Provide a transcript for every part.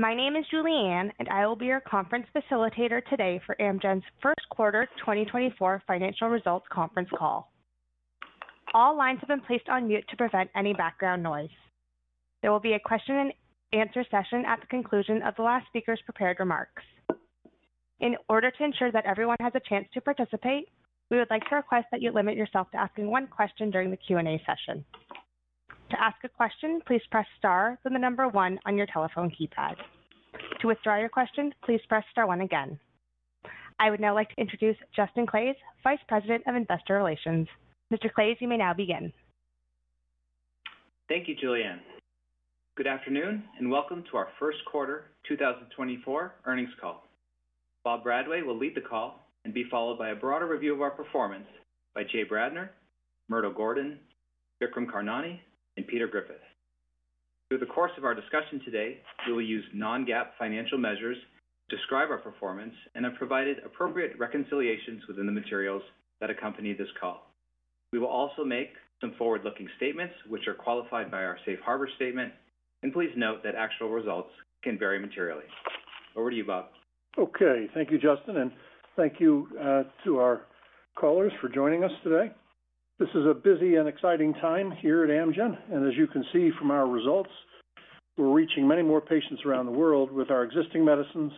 My name is Julianne, and I will be your conference facilitator today for Amgen's first quarter 2024 financial results conference call. All lines have been placed on mute to prevent any background noise. There will be a question-and-answer session at the conclusion of the last speaker's prepared remarks. In order to ensure that everyone has a chance to participate, we would like to request that you limit yourself to asking one question during the Q&A session. To ask a question, please press star then the number one on your telephone keypad. To withdraw your question, please press star one again. I would now like to introduce Justin Claeys, Vice President of Investor Relations. Mr. Claeys, you may now begin. Thank you, Julianne. Good afternoon and welcome to our first quarter 2024 earnings call. Bob Bradway will lead the call and be followed by a broader review of our performance by Jay Bradner, Murdo Gordon, Vikram Karnani, and Peter Griffith. Through the course of our discussion today, we will use non-GAAP financial measures to describe our performance and have provided appropriate reconciliations within the materials that accompany this call. We will also make some forward-looking statements which are qualified by our Safe Harbor statement, and please note that actual results can vary materially. Over to you, Bob. Okay. Thank you, Justin, and thank you to our callers for joining us today. This is a busy and exciting time here at Amgen, and as you can see from our results, we're reaching many more patients around the world with our existing medicines,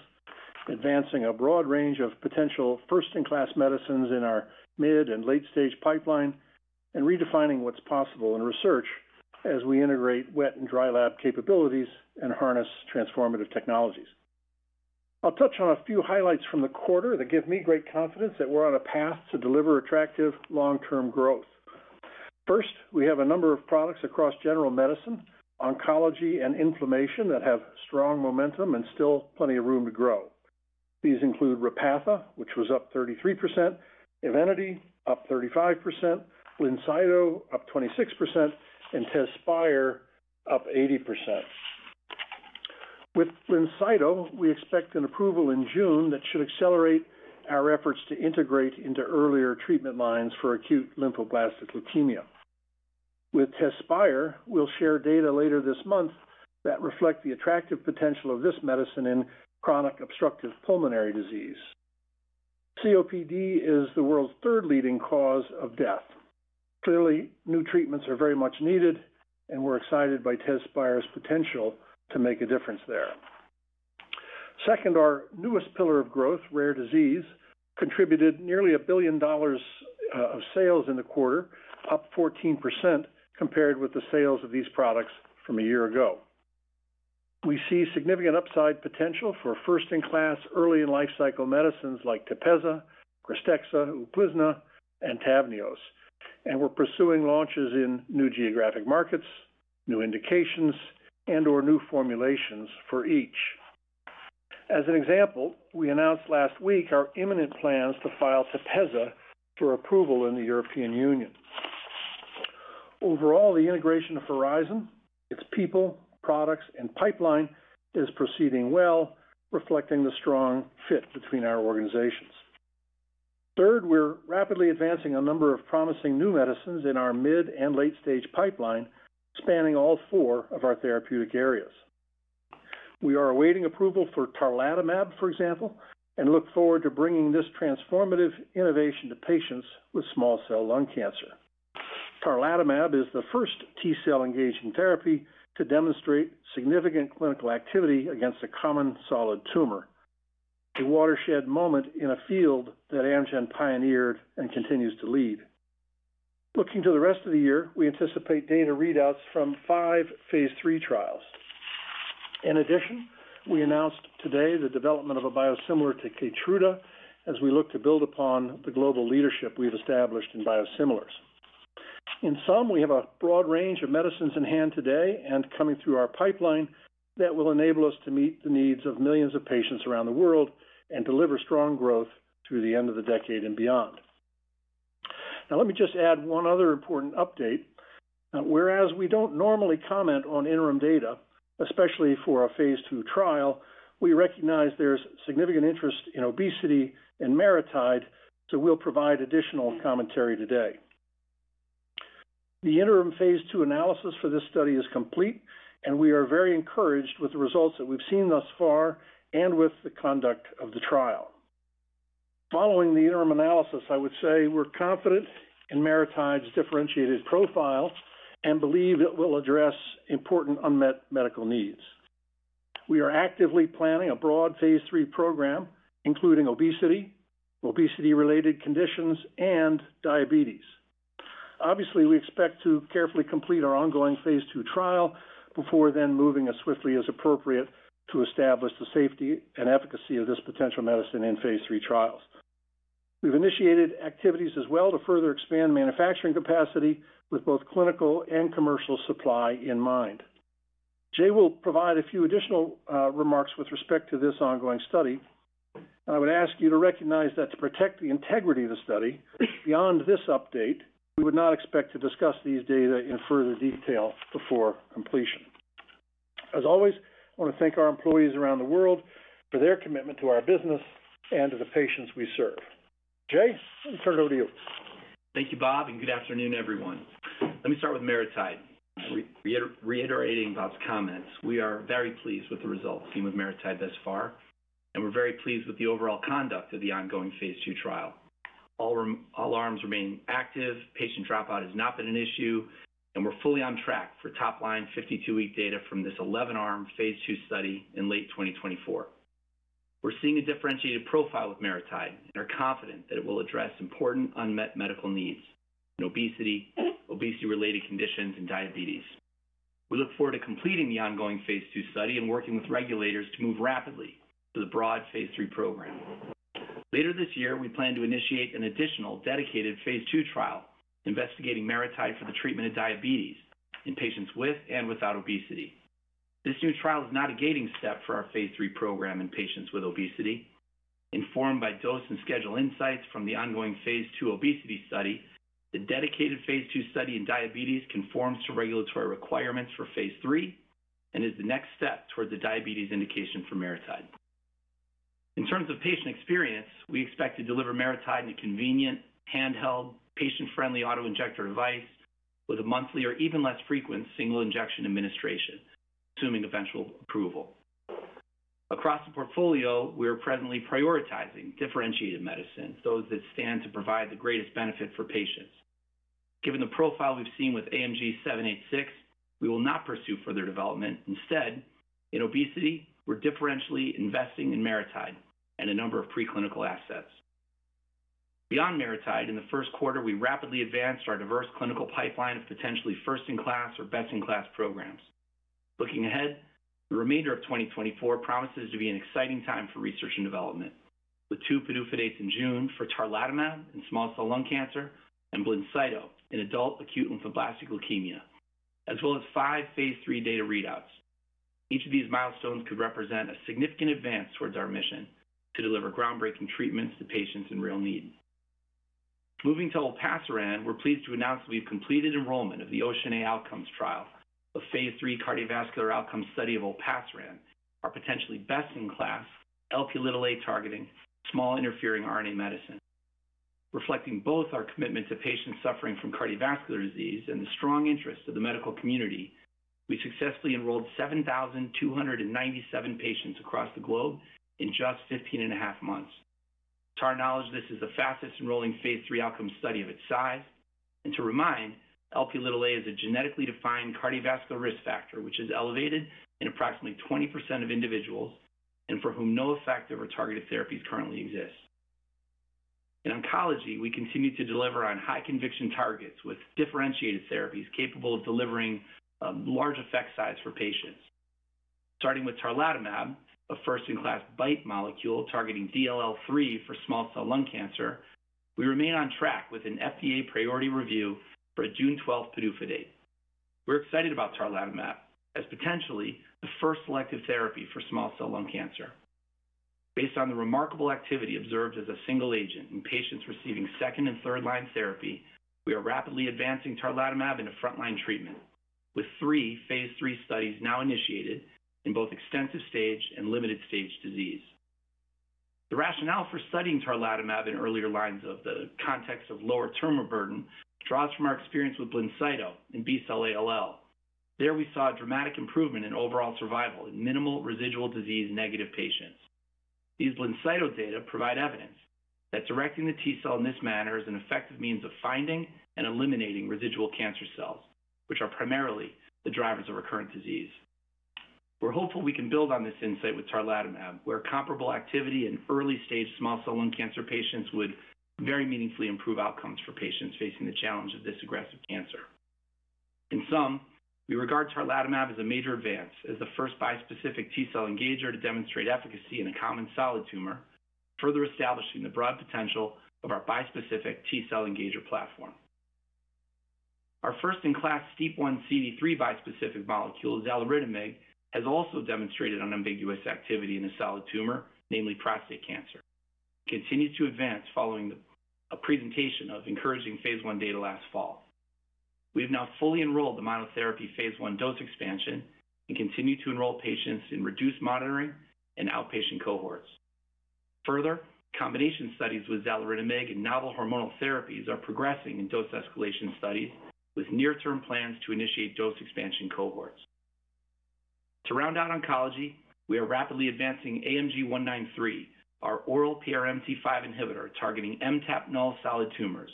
advancing a broad range of potential first-in-class medicines in our mid and late-stage pipeline, and redefining what's possible in research as we integrate wet and dry lab capabilities and harness transformative technologies. I'll touch on a few highlights from the quarter that give me great confidence that we're on a path to deliver attractive long-term growth. First, we have a number of products across general medicine, oncology, and inflammation that have strong momentum and still plenty of room to grow. These include Repatha, which was up 33%, EVENITY, up 35%, BLINCYTO, up 26%, and TEZSPIRE, up 80%. With BLINCYTO, we expect an approval in June that should accelerate our efforts to integrate into earlier treatment lines for acute lymphoblastic leukemia. With TEZSPIRE, we'll share data later this month that reflect the attractive potential of this medicine in chronic obstructive pulmonary disease. COPD is the world's third leading cause of death. Clearly, new treatments are very much needed, and we're excited by TEZSPIRE's potential to make a difference there. Second, our newest pillar of growth, rare disease, contributed nearly $1 billion of sales in the quarter, up 14% compared with the sales of these products from a year ago. We see significant upside potential for first-in-class early-in-life cycle medicines like TEPEZZA, KRYSTEXXA, UPLIZNA, and TAVNEOS, and we're pursuing launches in new geographic markets, new indications, and/or new formulations for each. As an example, we announced last week our imminent plans to file TEPEZZA for approval in the European Union. Overall, the integration of Horizon, its people, products, and pipeline is proceeding well, reflecting the strong fit between our organizations. Third, we're rapidly advancing a number of promising new medicines in our mid- and late-stage pipeline spanning all four of our therapeutic areas. We are awaiting approval for tarlatamab, for example, and look forward to bringing this transformative innovation to patients with small cell lung cancer. Tarlatamab is the first T-cell engaging therapy to demonstrate significant clinical activity against a common solid tumor, a watershed moment in a field that Amgen pioneered and continues to lead. Looking to the rest of the year, we anticipate data readouts from five phase III trials. In addition, we announced today the development of a biosimilar to Keytruda as we look to build upon the global leadership we've established in biosimilars. In sum, we have a broad range of medicines in hand today and coming through our pipeline that will enable us to meet the needs of millions of patients around the world and deliver strong growth through the end of the decade and beyond. Now, let me just add one other important update. Whereas we don't normally comment on interim data, especially for a phase II trial, we recognize there's significant interest in obesity and MariTide, so we'll provide additional commentary today. The interim phase II analysis for this study is complete, and we are very encouraged with the results that we've seen thus far and with the conduct of the trial. Following the interim analysis, I would say we're confident in MariTide's differentiated profile and believe it will address important unmet medical needs. We are actively planning a broad phase III program including obesity, obesity-related conditions, and diabetes. Obviously, we expect to carefully complete our ongoing phase II trial before then moving as swiftly as appropriate to establish the safety and efficacy of this potential medicine in phase III trials. We've initiated activities as well to further expand manufacturing capacity with both clinical and commercial supply in mind. Jay will provide a few additional remarks with respect to this ongoing study, and I would ask you to recognize that to protect the integrity of the study beyond this update, we would not expect to discuss these data in further detail before completion. As always, I want to thank our employees around the world for their commitment to our business and to the patients we serve. Jay, let me turn it over to you. Thank you, Bob, and good afternoon, everyone. Let me start with MariTide. Reiterating Bob's comments, we are very pleased with the results seen with MariTide thus far, and we're very pleased with the overall conduct of the ongoing phase II trial. All arms remain active, patient dropout has not been an issue, and we're fully on track for top-line 52-week data from this 11-arm phase II study in late 2024. We're seeing a differentiated profile with MariTide and are confident that it will address important unmet medical needs in obesity, obesity-related conditions, and diabetes. We look forward to completing the ongoing phase II study and working with regulators to move rapidly to the broad phase III program. Later this year, we plan to initiate an additional dedicated phase II trial investigating MariTide for the treatment of diabetes in patients with and without obesity. This new trial is not a gating step for our phase III program in patients with obesity. Informed by dose and schedule insights from the ongoing phase II obesity study, the dedicated phase II study in diabetes conforms to regulatory requirements for phase III and is the next step towards a diabetes indication for MariTide. In terms of patient experience, we expect to deliver MariTide in a convenient, handheld, patient-friendly autoinjector device with a monthly or even less frequent single injection administration, assuming eventual approval. Across the portfolio, we are presently prioritizing differentiated medicines, those that stand to provide the greatest benefit for patients. Given the profile we've seen with AMG 786, we will not pursue further development. Instead, in obesity, we're differentially investing in MariTide and a number of preclinical assets. Beyond MariTide, in the first quarter, we rapidly advanced our diverse clinical pipeline of potentially first-in-class or best-in-class programs. Looking ahead, the remainder of 2024 promises to be an exciting time for research and development with two PDUFA dates in June for tarlatamab in small cell lung cancer and BLINCYTO, in adult acute lymphoblastic leukemia, as well as five phase III data readouts. Each of these milestones could represent a significant advance towards our mission to deliver groundbreaking treatments to patients in real need. Moving to olpasiran, we're pleased to announce that we've completed enrollment of the OCEAN(a) Outcomes trial, a phase III cardiovascular outcome study of olpasiran, our potentially best-in-class Lp(a)-targeting small interfering RNA medicine. Reflecting both our commitment to patients suffering from cardiovascular disease and the strong interest of the medical community, we successfully enrolled 7,297 patients across the globe in just 15.5 months. To our knowledge, this is the fastest enrolling phase III outcome study of its size. And to remind, Lp(a) is a genetically defined cardiovascular risk factor which is elevated in approximately 20% of individuals and for whom no effective or targeted therapies currently exist. In oncology, we continue to deliver on high-conviction targets with differentiated therapies capable of delivering large effect size for patients. Starting with tarlatamab, a first-in-class BiTE molecule targeting DLL3 for small cell lung cancer, we remain on track with an FDA priority review for a June 12th PDUFA date. We're excited about tarlatamab as potentially the first selective therapy for small cell lung cancer. Based on the remarkable activity observed as a single agent in patients receiving second and third line therapy, we are rapidly advancing tarlatamab into frontline treatment with three phase III studies now initiated in both extensive stage and limited stage disease. The rationale for studying tarlatamab in earlier lines of the context of lower tumor burden draws from our experience with BLINCYTO in B-cell ALL. There, we saw a dramatic improvement in overall survival in minimal residual disease negative patients. These BLINCYTO data provide evidence that directing the T-cell in this manner is an effective means of finding and eliminating residual cancer cells, which are primarily the drivers of recurrent disease. We're hopeful we can build on this insight with tarlatamab, where comparable activity in early stage small cell lung cancer patients would very meaningfully improve outcomes for patients facing the challenge of this aggressive cancer. In sum, we regard tarlatamab as a major advance as the first bispecific T-cell engager to demonstrate efficacy in a common solid tumor, further establishing the broad potential of our bispecific T-cell engager platform. Our first-in-class STEAP1 CD3 bispecific molecule, xaluritamig, has also demonstrated unambiguous activity in a solid tumor, namely prostate cancer. It continues to advance following a presentation of encouraging phase I data last fall. We have now fully enrolled the monotherapy phase I dose expansion and continue to enroll patients in reduced monitoring and outpatient cohorts. Further, combination studies with xaluritamig and novel hormonal therapies are progressing in dose escalation studies with near-term plans to initiate dose expansion cohorts. To round out oncology, we are rapidly advancing AMG 193, our oral PRMT5 inhibitor targeting MTAP null solid tumors.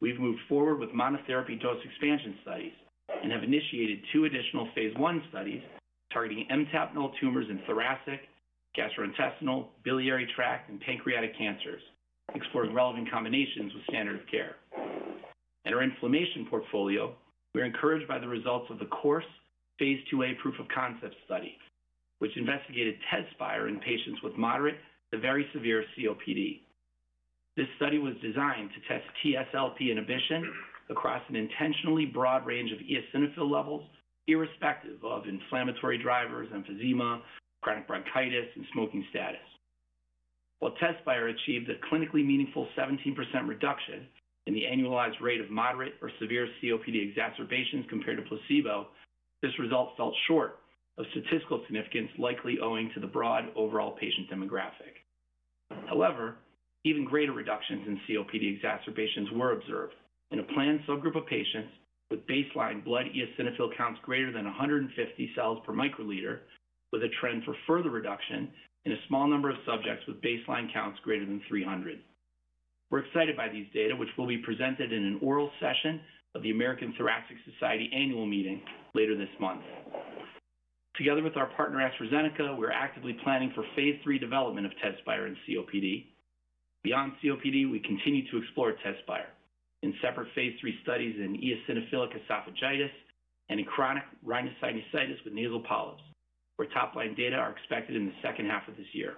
We've moved forward with monotherapy dose expansion studies and have initiated two additional phase I studies targeting MTAP null tumors in thoracic, gastrointestinal, biliary tract, and pancreatic cancers, exploring relevant combinations with standard of care. In our inflammation portfolio, we are encouraged by the results of the core phase IIa proof of concept study, which investigated TEZSPIRE in patients with moderate to very severe COPD. This study was designed to test TSLP inhibition across an intentionally broad range of eosinophil levels, irrespective of inflammatory drivers, emphysema, chronic bronchitis, and smoking status. While TEZSPIRE achieved a clinically meaningful 17% reduction in the annualized rate of moderate or severe COPD exacerbations compared to placebo, this result fell short of statistical significance, likely owing to the broad overall patient demographic. However, even greater reductions in COPD exacerbations were observed in a planned subgroup of patients with baseline blood eosinophil counts greater than 150 cells per microliter, with a trend for further reduction in a small number of subjects with baseline counts greater than 300. We're excited by these data, which will be presented in an oral session of the American Thoracic Society annual meeting later this month. Together with our partner AstraZeneca, we're actively planning for phase III development of TEZSPIRE in COPD. Beyond COPD, we continue to explore TEZSPIRE in separate phase III studies in eosinophilic esophagitis and in chronic rhinosinusitis with nasal polyps, where top-line data are expected in the second half of this year.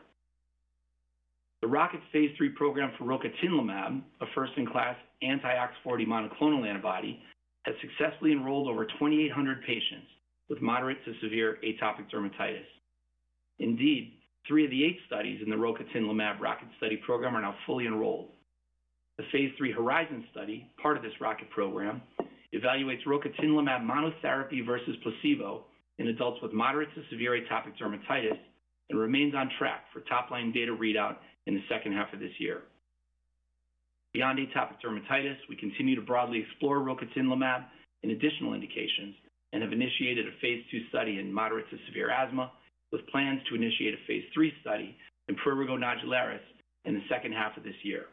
The ROCKET phase III program for rocatinlimab, a first-in-class anti-OX40 monoclonal antibody, has successfully enrolled over 2,800 patients with moderate to severe atopic dermatitis. Indeed, three of the eight studies in the rocatinlimab ROCKET study program are now fully enrolled. The phase III Horizon study, part of this ROCKET program, evaluates rocatinlimab monotherapy versus placebo in adults with moderate to severe atopic dermatitis and remains on track for top-line data readout in the second half of this year. Beyond atopic dermatitis, we continue to broadly explore rocatinlimab and additional indications and have initiated a phase II study in moderate to severe asthma, with plans to initiate a phase III study in prurigo nodularis in the second half of this year.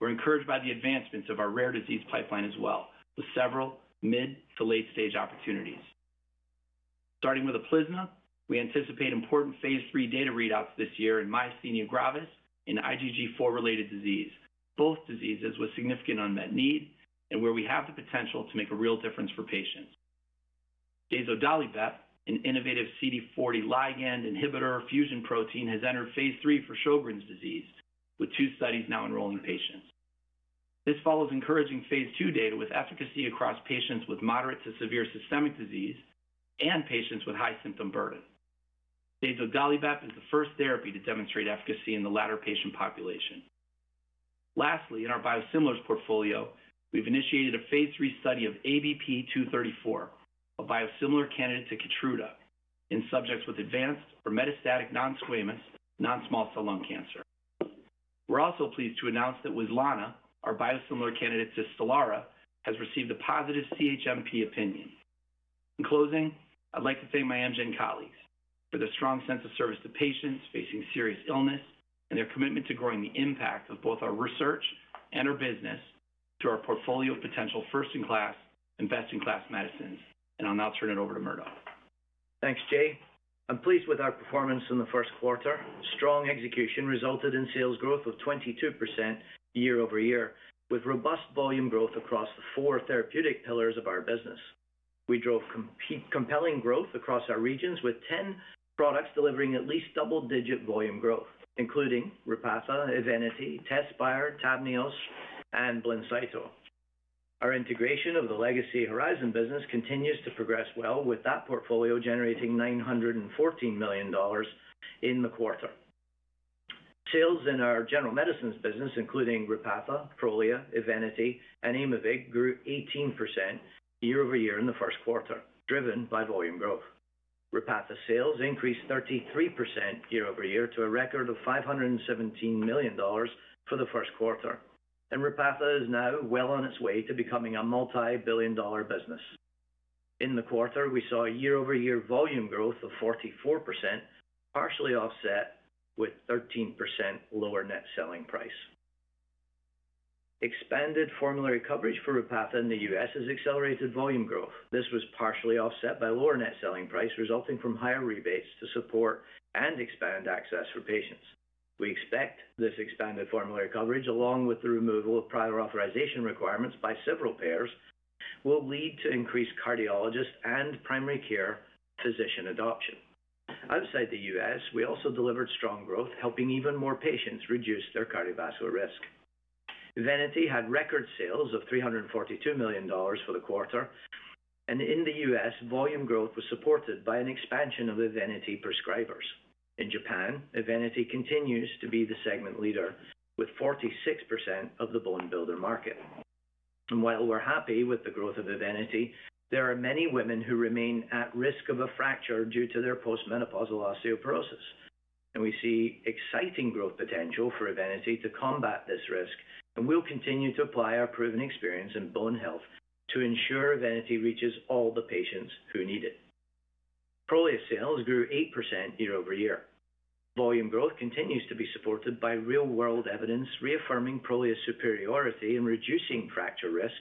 We're encouraged by the advancements of our rare disease pipeline as well, with several mid- to late-stage opportunities. Starting with UPLIZNA, we anticipate important phase III data readouts this year in myasthenia gravis and IgG4-related disease, both diseases with significant unmet need and where we have the potential to make a real difference for patients. Dazodalibep, an innovative CD40 ligand inhibitor fusion protein, has entered phase III for Sjögren's disease, with two studies now enrolling patients. This follows encouraging phase II data with efficacy across patients with moderate to severe systemic disease and patients with high symptom burden. Dazodalibep is the first therapy to demonstrate efficacy in the latter patient population. Lastly, in our biosimilars portfolio, we've initiated a phase III study of ABP234, a biosimilar candidate to Keytruda, in subjects with advanced or metastatic non-squamous, non-small cell lung cancer. We're also pleased to announce that WEZLANA, our biosimilar candidate to Stelara, has received a positive CHMP opinion. In closing, I'd like to thank my Amgen colleagues for their strong sense of service to patients facing serious illness and their commitment to growing the impact of both our research and our business through our portfolio of potential first-in-class and best-in-class medicines. I'll now turn it over to Murdo. Thanks, Jay. I'm pleased with our performance in the first quarter. Strong execution resulted in sales growth of 22% year-over-year, with robust volume growth across the four therapeutic pillars of our business. We drove compelling growth across our regions, with 10 products delivering at least double-digit volume growth, including Repatha, EVENITY, TEZSPIRE, TAVNEOS, and BLINCYTO. Our integration of the legacy Horizon business continues to progress well, with that portfolio generating $914 million in the quarter. Sales in our general medicines business, including Repatha, Prolia, EVENITY, and Aimovig, grew 18% year-over-year in the first quarter, driven by volume growth. Repatha sales increased 33% year-over-year to a record of $517 million for the first quarter, and Repatha is now well on its way to becoming a multi-billion dollar business. In the quarter, we saw year-over-year volume growth of 44%, partially offset with 13% lower net selling price. Expanded formulary coverage for Repatha in the U.S. has accelerated volume growth. This was partially offset by lower net selling price, resulting from higher rebates to support and expand access for patients. We expect this expanded formulary coverage, along with the removal of prior authorization requirements by several payers, will lead to increased cardiologist and primary care physician adoption. Outside the U.S., we also delivered strong growth, helping even more patients reduce their cardiovascular risk. EVENITY had record sales of $342 million for the quarter, and in the U.S., volume growth was supported by an expansion of EVENITY prescribers. In Japan, EVENITY continues to be the segment leader, with 46% of the bone builder market. While we're happy with the growth of EVENITY, there are many women who remain at risk of a fracture due to their postmenopausal osteoporosis. We see exciting growth potential for EVENITY to combat this risk, and we'll continue to apply our proven experience in bone health to ensure EVENITY reaches all the patients who need it. Prolia sales grew 8% year-over-year. Volume growth continues to be supported by real-world evidence reaffirming Prolia's superiority in reducing fracture risk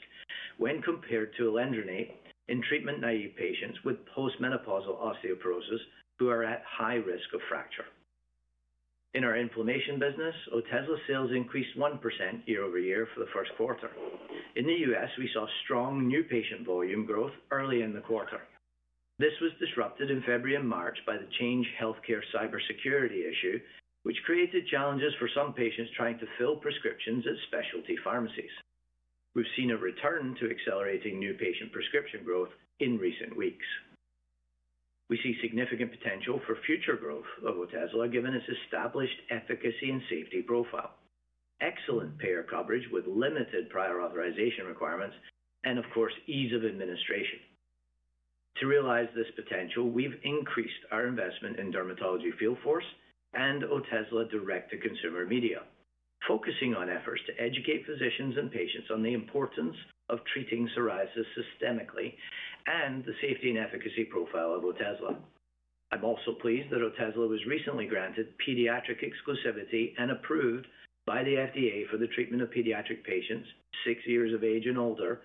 when compared to alendronate in treatment-naïve patients with postmenopausal osteoporosis who are at high risk of fracture. In our inflammation business, Otezla sales increased 1% year-over-year for the first quarter. In the U.S., we saw strong new patient volume growth early in the quarter. This was disrupted in February and March by the Change Healthcare cybersecurity issue, which created challenges for some patients trying to fill prescriptions at specialty pharmacies. We've seen a return to accelerating new patient prescription growth in recent weeks. We see significant potential for future growth of Otezla, given its established efficacy and safety profile, excellent payer coverage with limited prior authorization requirements, and of course, ease of administration. To realize this potential, we've increased our investment in dermatology field force and Otezla direct-to-consumer media, focusing on efforts to educate physicians and patients on the importance of treating psoriasis systemically and the safety and efficacy profile of Otezla. I'm also pleased that Otezla was recently granted pediatric exclusivity and approved by the FDA for the treatment of pediatric patients six years of age and older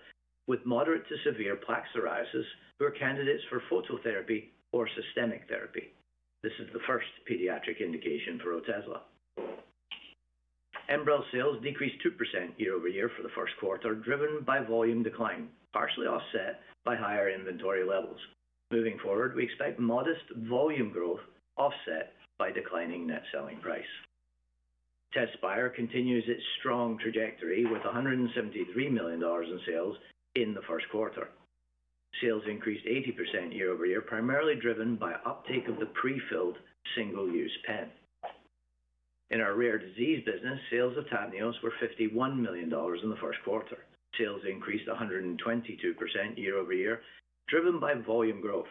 with moderate to severe plaque psoriasis who are candidates for phototherapy or systemic therapy. This is the first pediatric indication for Otezla. Enbrel sales decreased 2% year-over-year for the first quarter, driven by volume decline, partially offset by higher inventory levels. Moving forward, we expect modest volume growth offset by declining net selling price. TEZSPIRE continues its strong trajectory with $173 million in sales in the first quarter. Sales increased 80% year-over-year, primarily driven by uptake of the prefilled single-use pen. In our rare disease business, sales of TAVNEOS were $51 million in the first quarter. Sales increased 122% year-over-year, driven by volume growth.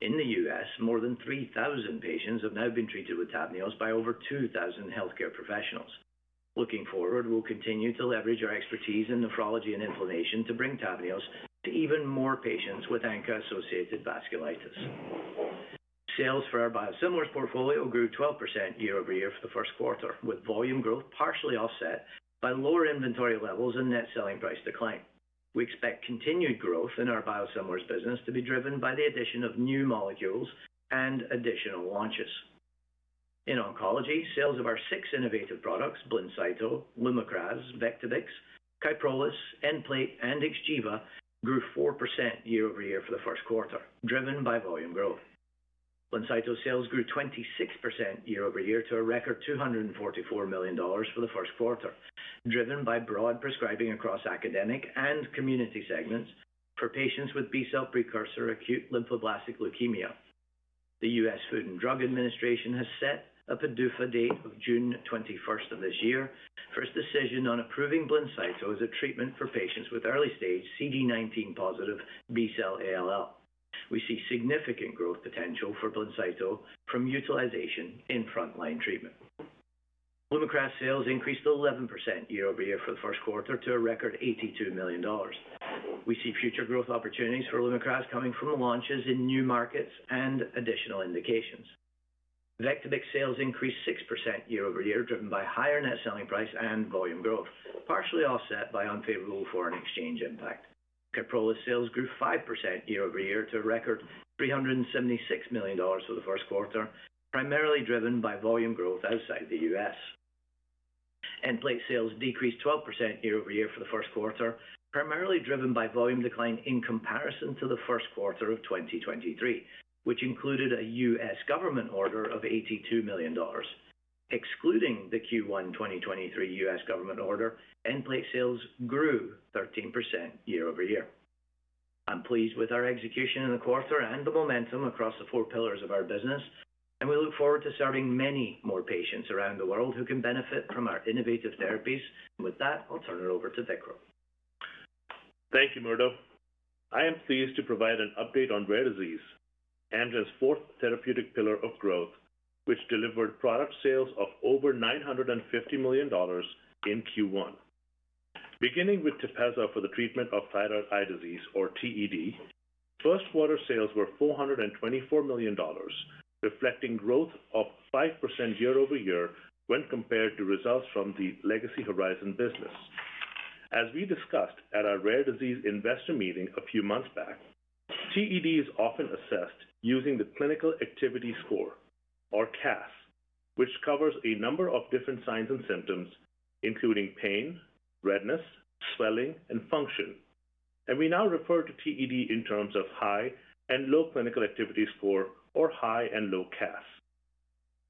In the U.S., more than 3,000 patients have now been treated with TAVNEOS by over 2,000 healthcare professionals. Looking forward, we'll continue to leverage our expertise in nephrology and inflammation to bring TAVNEOS to even more patients with ANCA-associated vasculitis. Sales for our biosimilars portfolio grew 12% year-over-year for the first quarter, with volume growth partially offset by lower inventory levels and net selling price decline. We expect continued growth in our biosimilars business to be driven by the addition of new molecules and additional launches. In oncology, sales of our six innovative products, BLINCYTO, LUMAKRAS, Vectibix, KYPROLIS, Nplate, and XGEVA, grew 4% year-over-year for the first quarter, driven by volume growth. BLINCYTO sales grew 26% year-over-year to a record $244 million for the first quarter, driven by broad prescribing across academic and community segments for patients with B-cell precursor acute lymphoblastic leukemia. The U.S. Food and Drug Administration has set a PDUFA date of June 21st of this year for its decision on approving BLINCYTO as a treatment for patients with early-stage CD19-positive B-cell ALL. We see significant growth potential for BLINCYTO from utilization in front-line treatment. LUMAKRAS sales increased 11% year-over-year for the first quarter to a record $82 million. We see future growth opportunities for LUMAKRAS coming from launches in new markets and additional indications. Vectibix sales increased 6% year-over-year, driven by higher net selling price and volume growth, partially offset by unfavorable foreign exchange impact. KYPROLIS sales grew 5% year-over-year to a record $376 million for the first quarter, primarily driven by volume growth outside the U.S. Nplate sales decreased 12% year-over-year for the first quarter, primarily driven by volume decline in comparison to the first quarter of 2023, which included a U.S. government order of $82 million. Excluding the Q1 2023 U.S. government order, Nplate sales grew 13% year-over-year. I'm pleased with our execution in the quarter and the momentum across the four pillars of our business, and we look forward to serving many more patients around the world who can benefit from our innovative therapies. With that, I'll turn it over to Vikram. Thank you, Murdo. I am pleased to provide an update on rare disease, Amgen's fourth therapeutic pillar of growth, which delivered product sales of over $950 million in Q1. Beginning with TEPEZZA for the treatment of thyroid eye disease, or TED, first-quarter sales were $424 million, reflecting growth of 5% year-over-year when compared to results from the legacy Horizon business. As we discussed at our rare disease investor meeting a few months back, TED is often assessed using the clinical activity score, or CAS, which covers a number of different signs and symptoms, including pain, redness, swelling, and function. We now refer to TED in terms of high and low clinical activity score, or high and low CAS.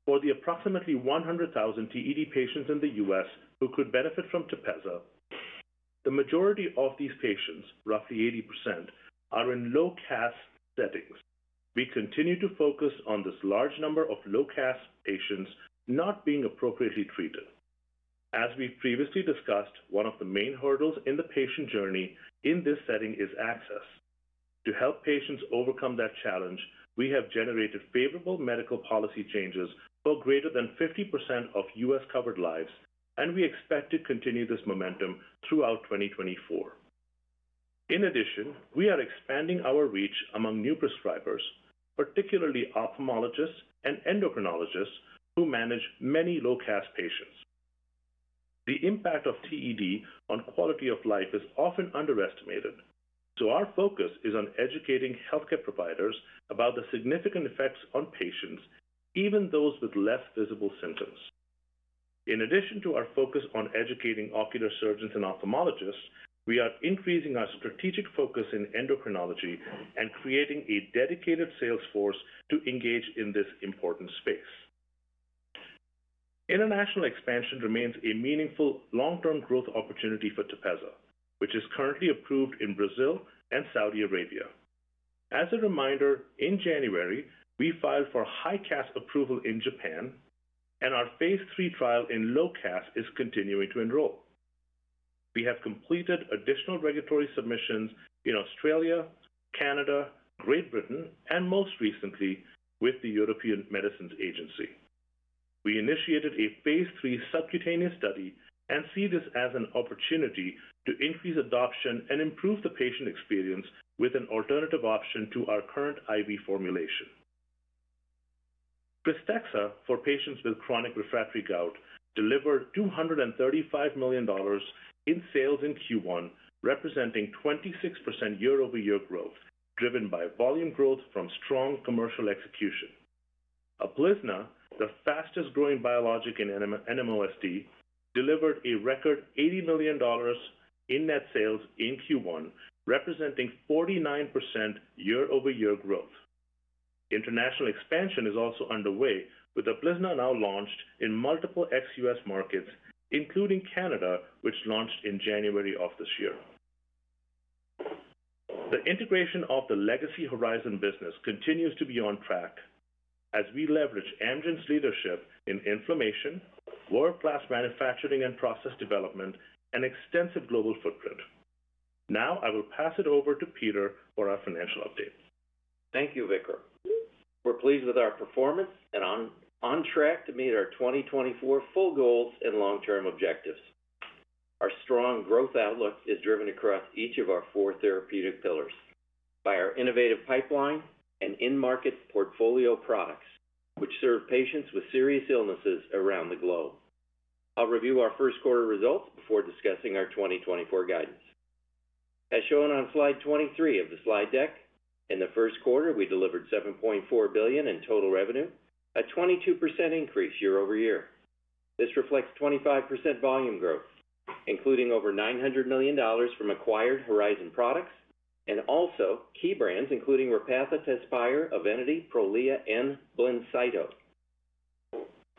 For the approximately 100,000 TED patients in the U.S. who could benefit from TEPEZZA, the majority of these patients, roughly 80%, are in low CAS settings. We continue to focus on this large number of low CAS patients not being appropriately treated. As we previously discussed, one of the main hurdles in the patient journey in this setting is access. To help patients overcome that challenge, we have generated favorable medical policy changes for greater than 50% of U.S.-covered lives, and we expect to continue this momentum throughout 2024. In addition, we are expanding our reach among new prescribers, particularly ophthalmologists and endocrinologists who manage many low CAS patients. The impact of TED on quality of life is often underestimated, so our focus is on educating healthcare providers about the significant effects on patients, even those with less visible symptoms. In addition to our focus on educating ocular surgeons and ophthalmologists, we are increasing our strategic focus in endocrinology and creating a dedicated sales force to engage in this important space. International expansion remains a meaningful long-term growth opportunity for TEPEZZA, which is currently approved in Brazil and Saudi Arabia. As a reminder, in January, we filed for high CAS approval in Japan, and our phase III trial in low CAS is continuing to enroll. We have completed additional regulatory submissions in Australia, Canada, Great Britain, and most recently with the European Medicines Agency. We initiated a phase III subcutaneous study and see this as an opportunity to increase adoption and improve the patient experience with an alternative option to our current IV formulation. KRYSTEXXA for patients with chronic refractory gout delivered $235 million in sales in Q1, representing 26% year-over-year growth, driven by volume growth from strong commercial execution. UPLIZNA, the fastest-growing biologic in NMOSD, delivered a record $80 million in net sales in Q1, representing 49% year-over-year growth. International expansion is also underway, with UPLIZNA now launched in multiple ex-U.S. markets, including Canada, which launched in January of this year. The integration of the legacy Horizon business continues to be on track as we leverage Amgen's leadership in inflammation, world-class manufacturing and process development, and extensive global footprint. Now I will pass it over to Peter for our financial update. Thank you, Vikram. We're pleased with our performance and on track to meet our 2024 full goals and long-term objectives. Our strong growth outlook is driven across each of our four therapeutic pillars by our innovative pipeline and in-market portfolio products, which serve patients with serious illnesses around the globe. I'll review our first-quarter results before discussing our 2024 guidance. As shown on slide 23 of the slide deck, in the first quarter, we delivered $7.4 billion in total revenue, a 22% increase year-over-year. This reflects 25% volume growth, including over $900 million from acquired Horizon products and also key brands, including Repatha, TEZSPIRE, EVENITY, Prolia, and BLINCYTO.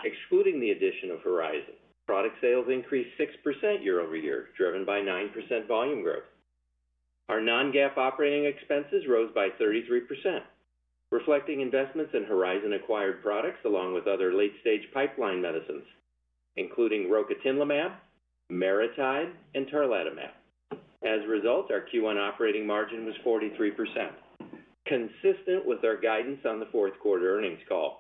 Excluding the addition of Horizon, product sales increased 6% year-over-year, driven by 9% volume growth. Our non-GAAP operating expenses rose by 33%, reflecting investments in Horizon acquired products along with other late-stage pipeline medicines, including rocatinlimab, MariTide, and tarlatamab. As a result, our Q1 operating margin was 43%, consistent with our guidance on the fourth-quarter earnings call.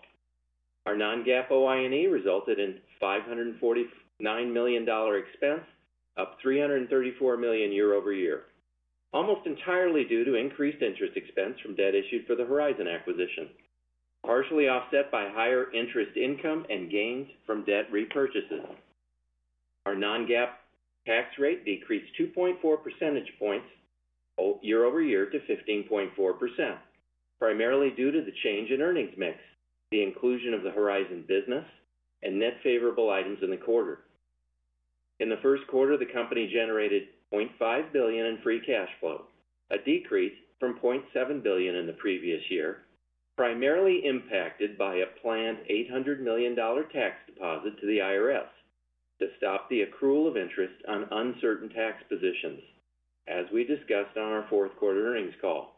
Our non-GAAP OI&E resulted in $549 million expense, up $334 million year-over-year, almost entirely due to increased interest expense from debt issued for the Horizon acquisition, partially offset by higher interest income and gains from debt repurchases. Our non-GAAP tax rate decreased 2.4 percentage points year-over-year to 15.4%, primarily due to the change in earnings mix, the inclusion of the Horizon business, and net favorable items in the quarter. In the first quarter, the company generated $0.5 billion in free cash flow, a decrease from $0.7 billion in the previous year, primarily impacted by a planned $800 million tax deposit to the IRS to stop the accrual of interest on uncertain tax positions, as we discussed on our fourth-quarter earnings call.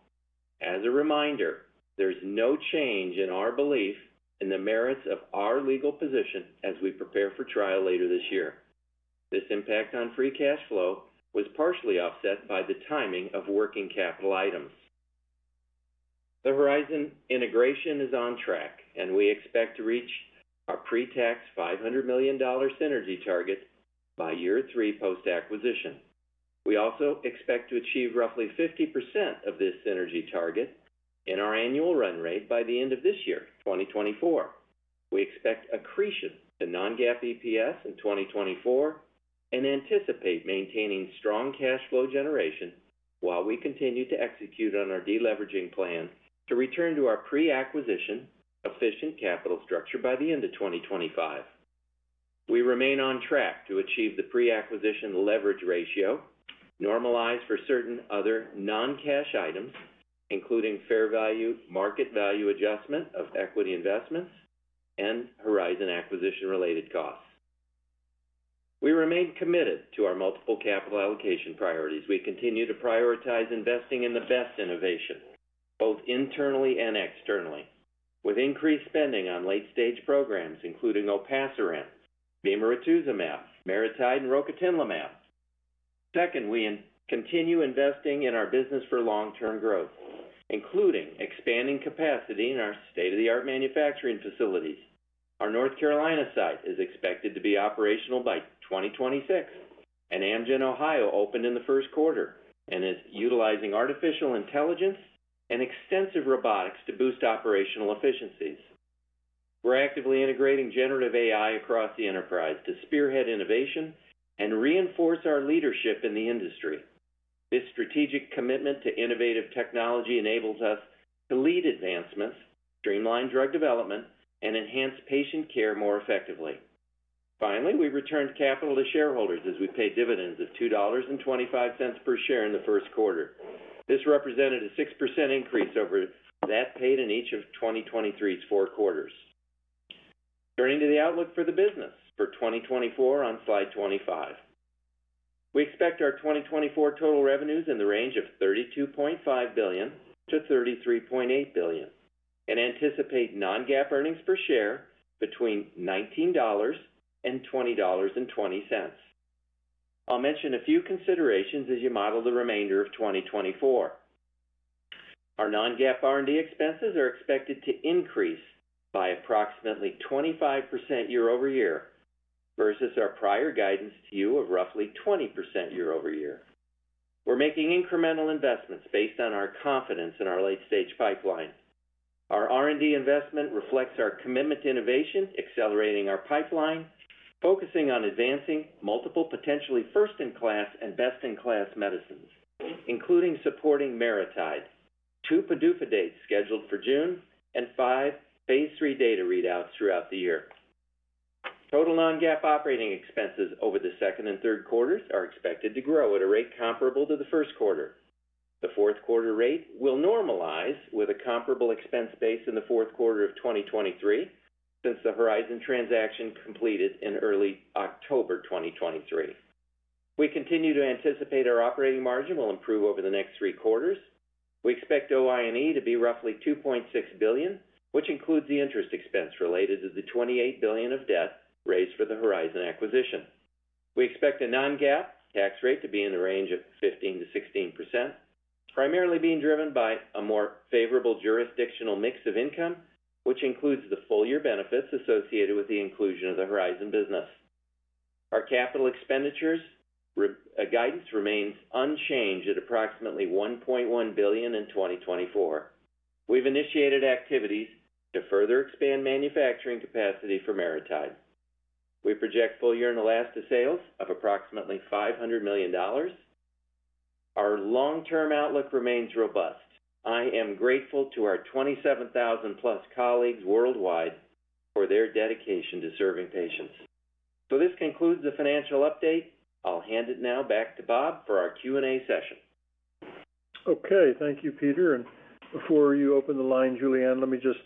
As a reminder, there's no change in our belief in the merits of our legal position as we prepare for trial later this year. This impact on free cash flow was partially offset by the timing of working capital items. The Horizon integration is on track, and we expect to reach our pre-tax $500 million synergy target by year three post-acquisition. We also expect to achieve roughly 50% of this synergy target in our annual run rate by the end of this year, 2024. We expect accretion to non-GAAP EPS in 2024 and anticipate maintaining strong cash flow generation while we continue to execute on our deleveraging plan to return to our pre-acquisition efficient capital structure by the end of 2025. We remain on track to achieve the pre-acquisition leverage ratio, normalize for certain other non-cash items, including fair value, market value adjustment of equity investments, and Horizon acquisition-related costs. We remain committed to our multiple capital allocation priorities. We continue to prioritize investing in the best innovation, both internally and externally, with increased spending on late-stage programs, including olpasiran, bemarituzumab, MariTide, and rocatinlimab. Second, we continue investing in our business for long-term growth, including expanding capacity in our state-of-the-art manufacturing facilities. Our North Carolina site is expected to be operational by 2026, and Amgen Ohio opened in the first quarter and is utilizing artificial intelligence and extensive robotics to boost operational efficiencies. We're actively integrating generative AI across the enterprise to spearhead innovation and reinforce our leadership in the industry. This strategic commitment to innovative technology enables us to lead advancements, streamline drug development, and enhance patient care more effectively. Finally, we returned capital to shareholders as we paid dividends of $2.25 per share in the first quarter. This represented a 6% increase over that paid in each of 2023's four quarters. Turning to the outlook for the business for 2024 on slide 25. We expect our 2024 total revenues in the range of $32.5 billion-$33.8 billion and anticipate non-GAAP earnings per share between $19 and $20.20. I'll mention a few considerations as you model the remainder of 2024. Our non-GAAP R&D expenses are expected to increase by approximately 25% year-over-year versus our prior guidance to you of roughly 20% year-over-year. We're making incremental investments based on our confidence in our late-stage pipeline. Our R&D investment reflects our commitment to innovation, accelerating our pipeline, focusing on advancing multiple potentially first-in-class and best-in-class medicines, including supporting MariTide, two PDUFA dates scheduled for June, and five phase III data readouts throughout the year. Total non-GAAP operating expenses over the second and third quarters are expected to grow at a rate comparable to the first quarter. The fourth quarter rate will normalize with a comparable expense base in the fourth quarter of 2023 since the Horizon transaction completed in early October 2023. We continue to anticipate our operating margin will improve over the next three quarters. We expect OI&E to be roughly $2.6 billion, which includes the interest expense related to the $28 billion of debt raised for the Horizon acquisition. We expect a non-GAAP tax rate to be in the range of 15%-16%, primarily being driven by a more favorable jurisdictional mix of income, which includes the full year benefits associated with the inclusion of the Horizon business. Our capital expenditures guidance remains unchanged at approximately $1.1 billion in 2024. We've initiated activities to further expand manufacturing capacity for MariTide. We project full year-in-the-last to sales of approximately $500 million. Our long-term outlook remains robust. I am grateful to our 27,000+ colleagues worldwide for their dedication to serving patients. So this concludes the financial update. I'll hand it now back to Bob for our Q&A session. Okay. Thank you, Peter. And before you open the line, Julianne, let me just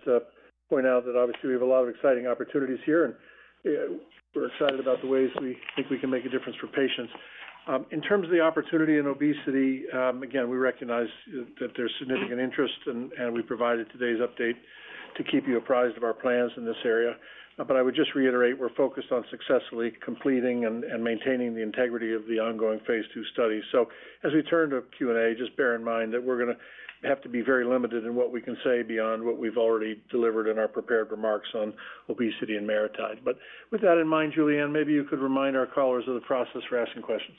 point out that obviously, we have a lot of exciting opportunities here, and we're excited about the ways we think we can make a difference for patients. In terms of the opportunity in obesity, again, we recognize that there's significant interest, and we provided today's update to keep you apprised of our plans in this area. But I would just reiterate, we're focused on successfully completing and maintaining the integrity of the ongoing phase II studies. So as we turn to Q&A, just bear in mind that we're going to have to be very limited in what we can say beyond what we've already delivered in our prepared remarks on obesity and MariTide. But with that in mind, Julianne, maybe you could remind our callers of the process for asking questions.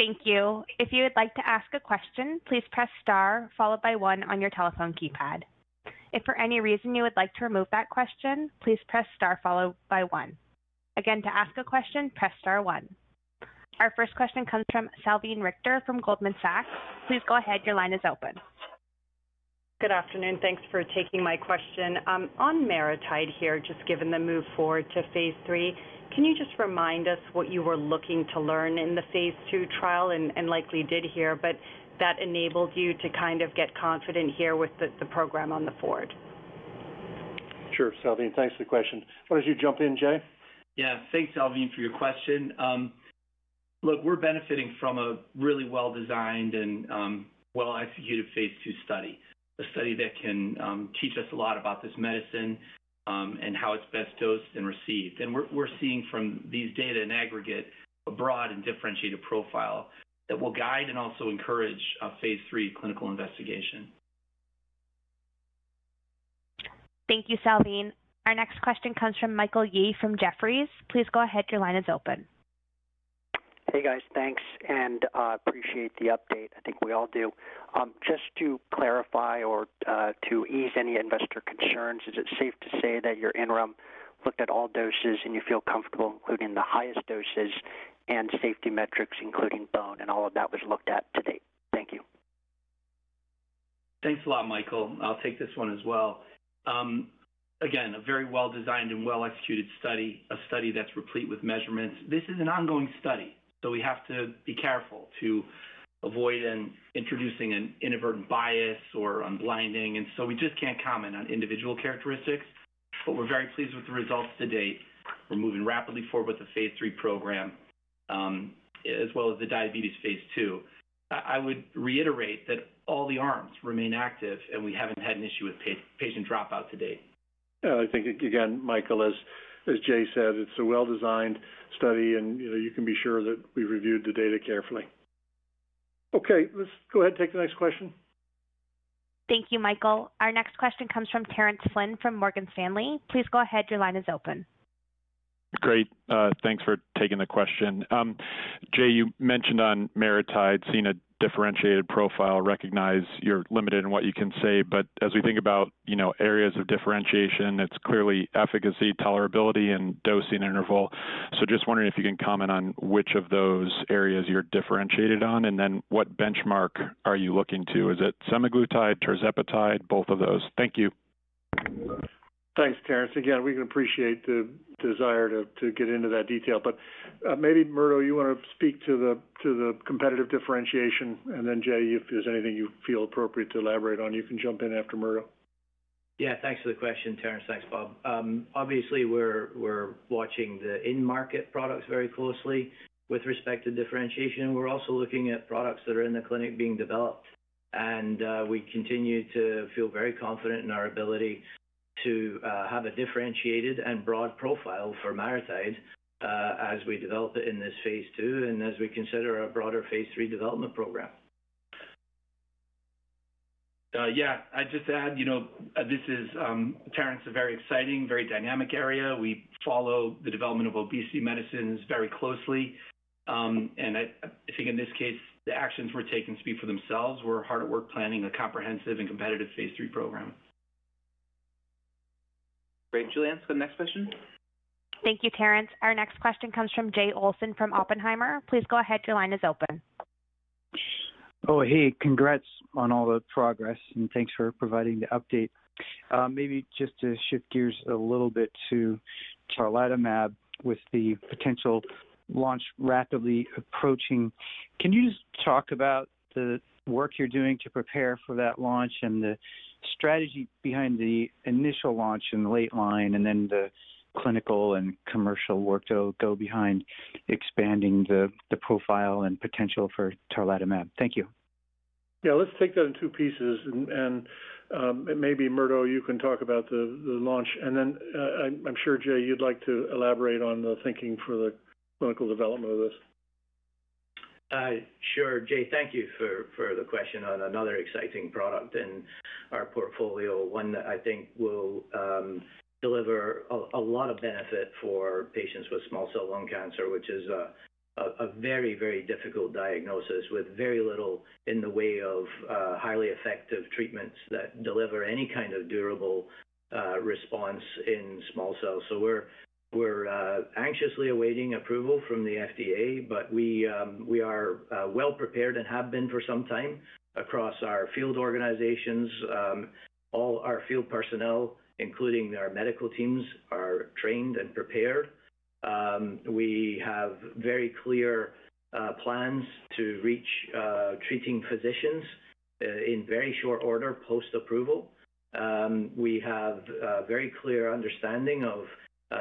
Thank you. If you would like to ask a question, please press star followed by one on your telephone keypad. If for any reason you would like to remove that question, please press star followed by one. Again, to ask a question, press star one. Our first question comes from Salveen Richter from Goldman Sachs. Please go ahead. Your line is open. Good afternoon. Thanks for taking my question. On MariTide here, just given the move forward to phase III, can you just remind us what you were looking to learn in the phase II trial and likely did here, but that enabled you to kind of get confident here with the program on the board? Sure, Salveen. Thanks for the question. Why don't you jump in, Jay? Yeah. Thanks, Salveen, for your question. Look, we're benefiting from a really well-designed and well-executed phase II study, a study that can teach us a lot about this medicine and how it's best dosed and received. And we're seeing from these data in aggregate a broad and differentiated profile that will guide and also encourage a phase III clinical investigation. Thank you, Salveen. Our next question comes from Michael Yee from Jefferies. Please go ahead. Your line is open. Hey, guys. Thanks. And I appreciate the update. I think we all do. Just to clarify or to ease any investor concerns, is it safe to say that your interim looked at all doses and you feel comfortable, including the highest doses and safety metrics, including bone? And all of that was looked at to date. Thank you. Thanks a lot, Michael. I'll take this one as well. Again, a very well-designed and well-executed study, a study that's replete with measurements. This is an ongoing study, so we have to be careful to avoid introducing an inadvertent bias or unblinding. And so we just can't comment on individual characteristics. But we're very pleased with the results to date. We're moving rapidly forward with the phase III program as well as the diabetes phase II. I would reiterate that all the arms remain active, and we haven't had an issue with patient dropout to date. Yeah. I think, again, Michael, as Jay said, it's a well-designed study, and you can be sure that we reviewed the data carefully. Okay. Let's go ahead and take the next question. Thank you, Michael. Our next question comes from Terence Flynn from Morgan Stanley. Please go ahead. Your line is open. Great. Thanks for taking the question. Jay, you mentioned on MariTide seeing a differentiated profile. I recognize you're limited in what you can say. But as we think about areas of differentiation, it's clearly efficacy, tolerability, and dosing interval. So just wondering if you can comment on which of those areas you're differentiated on, and then what benchmark are you looking to? Is it semaglutide, tirzepatide, both of those? Thank you. Thanks, Terence. Again, we can appreciate the desire to get into that detail. Maybe, Murdo, you want to speak to the competitive differentiation. Then, Jay, if there's anything you feel appropriate to elaborate on, you can jump in after Murdo. Yeah. Thanks for the question, Terence. Thanks, Bob. Obviously, we're watching the in-market products very closely with respect to differentiation. We're also looking at products that are in the clinic being developed. We continue to feel very confident in our ability to have a differentiated and broad profile for MariTide as we develop it in this phase two and as we consider our broader phase three development program. Yeah. I'd just add this is, Terence, a very exciting, very dynamic area. We follow the development of obesity medicines very closely. And I think in this case, the actions we're taking speak for themselves. We're hard at work planning a comprehensive and competitive phase III program. Great. Julianne, it's the next question. Thank you, Terence. Our next question comes from Jay Olson from Oppenheimer. Please go ahead. Your line is open. Oh, hey. Congrats on all the progress, and thanks for providing the update. Maybe just to shift gears a little bit to tarlatamab with the potential launch rapidly approaching, can you just talk about the work you're doing to prepare for that launch and the strategy behind the initial launch and the late line and then the clinical and commercial work to go behind expanding the profile and potential for tarlatamab? Thank you. Yeah. Let's take that in two pieces. Maybe, Murdo, you can talk about the launch. Then I'm sure, Jay, you'd like to elaborate on the thinking for the clinical development of this. Sure. Jay, thank you for the question on another exciting product in our portfolio, one that I think will deliver a lot of benefit for patients with small cell lung cancer, which is a very, very difficult diagnosis with very little in the way of highly effective treatments that deliver any kind of durable response in small cell. So we're anxiously awaiting approval from the FDA, but we are well prepared and have been for some time across our field organizations. All our field personnel, including our medical teams, are trained and prepared. We have very clear plans to reach treating physicians in very short order post-approval. We have a very clear understanding of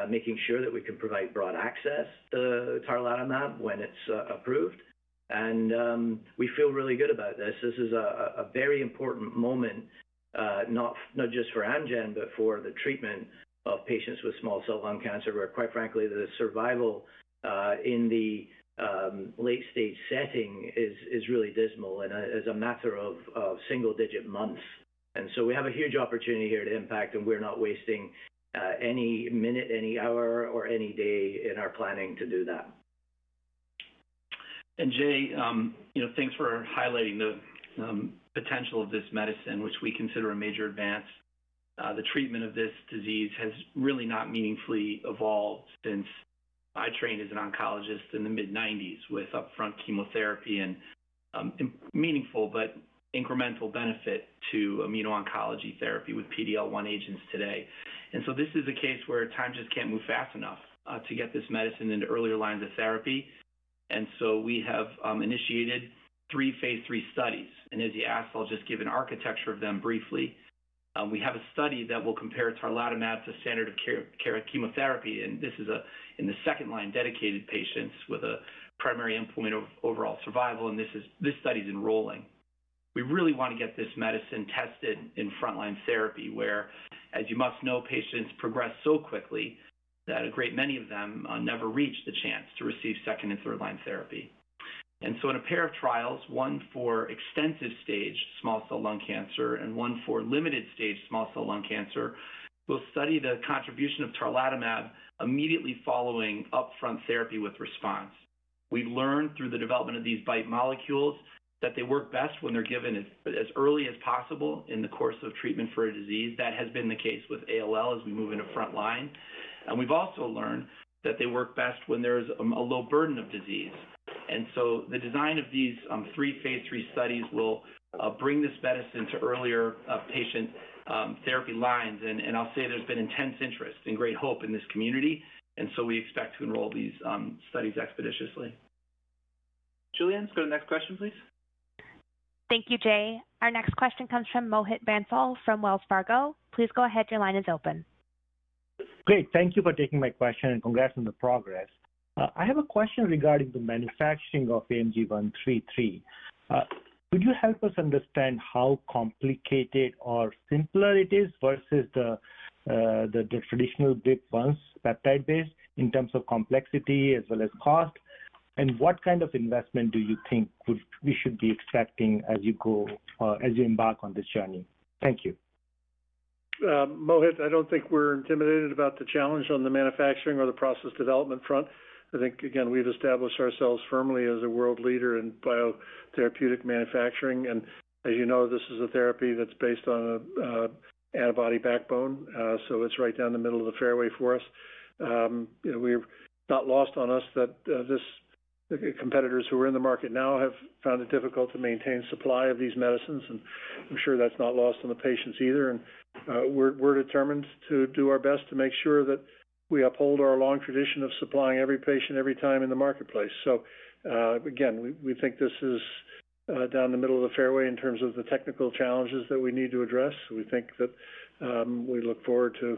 making sure that we can provide broad access to tarlatamab when it's approved. We feel really good about this. This is a very important moment, not just for Amgen, but for the treatment of patients with small cell lung cancer where, quite frankly, the survival in the late-stage setting is really dismal and as a matter of single-digit months. So we have a huge opportunity here to impact, and we're not wasting any minute, any hour, or any day in our planning to do that. Jay, thanks for highlighting the potential of this medicine, which we consider a major advance. The treatment of this disease has really not meaningfully evolved since I trained as an oncologist in the mid-1990s with upfront chemotherapy and meaningful but incremental benefit to immuno-oncology therapy with PD-L1 agents today. So this is a case where time just can't move fast enough to get this medicine into earlier lines of therapy. We have initiated three phase three studies. As you asked, I'll just give an architecture of them briefly. We have a study that will compare tarlatamab to standard of care chemotherapy. This is in the second-line, relapsed patients with a primary endpoint of overall survival. This study is enrolling. We really want to get this medicine tested in frontline therapy where, as you must know, patients progress so quickly that a great many of them never reach the chance to receive second- and third-line therapy. So in a pair of trials, one for extensive-stage small cell lung cancer and one for limited-stage small cell lung cancer, we'll study the contribution of tarlatamab immediately following upfront therapy with response. We've learned through the development of these BiTE molecules that they work best when they're given as early as possible in the course of treatment for a disease. That has been the case with ALL as we move into frontline. We've also learned that they work best when there's a low burden of disease. So the design of these three phase III studies will bring this medicine to earlier patient therapy lines. I'll say there's been intense interest and great hope in this community. So we expect to enroll these studies expeditiously. Julianne, let's go to the next question, please. Thank you, Jay. Our next question comes from Mohit Bansal from Wells Fargo. Please go ahead. Your line is open. Great. Thank you for taking my question, and congrats on the progress. I have a question regarding the manufacturing of AMG 133. Could you help us understand how complicated or simpler it is versus the traditional GLP-1s peptide-based in terms of complexity as well as cost? And what kind of investment do you think we should be expecting as you embark on this journey? Thank you. Mohit, I don't think we're intimidated about the challenge on the manufacturing or the process development front. I think, again, we've established ourselves firmly as a world leader in biotherapeutic manufacturing. And as you know, this is a therapy that's based on an antibody backbone. So it's right down the middle of the fairway for us. It's not lost on us that competitors who are in the market now have found it difficult to maintain supply of these medicines. And I'm sure that's not lost on the patients either. And we're determined to do our best to make sure that we uphold our long tradition of supplying every patient every time in the marketplace. So again, we think this is down the middle of the fairway in terms of the technical challenges that we need to address. We think that we look forward to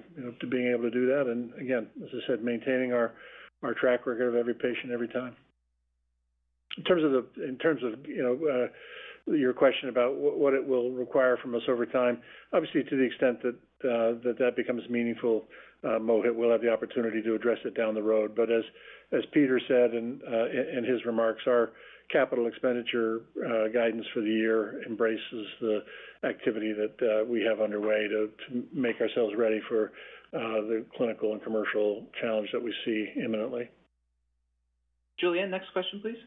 being able to do that. And again, as I said, maintaining our track record of every patient every time. In terms of your question about what it will require from us over time, obviously, to the extent that that becomes meaningful, Mohit, we'll have the opportunity to address it down the road. But as Peter said in his remarks, our capital expenditure guidance for the year embraces the activity that we have underway to make ourselves ready for the clinical and commercial challenge that we see imminently. Julianne, next question, please.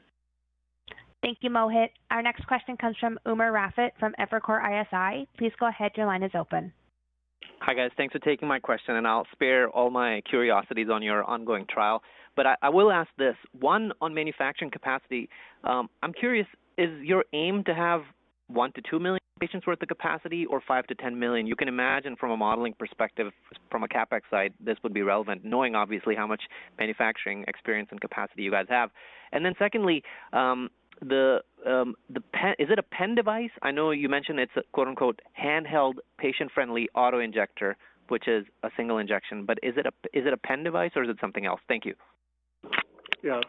Thank you, Mohit. Our next question comes from Umer Raffat from Evercore ISI. Please go ahead. Your line is open. Hi, guys. Thanks for taking my question. I'll spare all my curiosities on your ongoing trial. I will ask this. One, on manufacturing capacity, I'm curious, is your aim to have 1-2 million patients' worth of capacity or 5-10 million? You can imagine from a modeling perspective, from a CapEx side, this would be relevant, knowing obviously how much manufacturing experience and capacity you guys have. Then secondly, is it a pen device? I know you mentioned it's a "handheld, patient-friendly autoinjector," which is a single injection. Is it a pen device, or is it something else? Thank you. Yeah.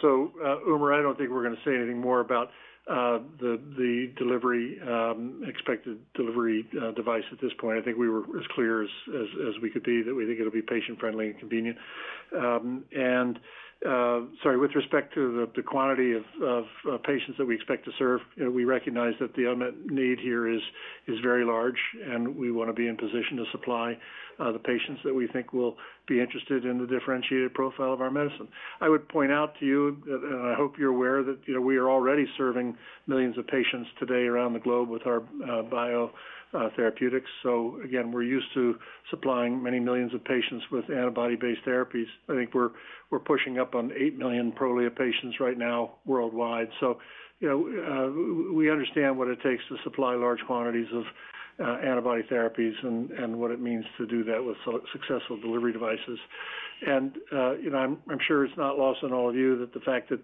So Umar, I don't think we're going to say anything more about the expected delivery device at this point. I think we were as clear as we could be that we think it'll be patient-friendly and convenient. And sorry, with respect to the quantity of patients that we expect to serve, we recognize that the unmet need here is very large, and we want to be in position to supply the patients that we think will be interested in the differentiated profile of our medicine. I would point out to you, and I hope you're aware, that we are already serving millions of patients today around the globe with our biotherapeutics. So again, we're used to supplying many millions of patients with antibody-based therapies. I think we're pushing up on 8 million Prolia patients right now worldwide. So we understand what it takes to supply large quantities of antibody therapies and what it means to do that with successful delivery devices. And I'm sure it's not lost on all of you that the fact that,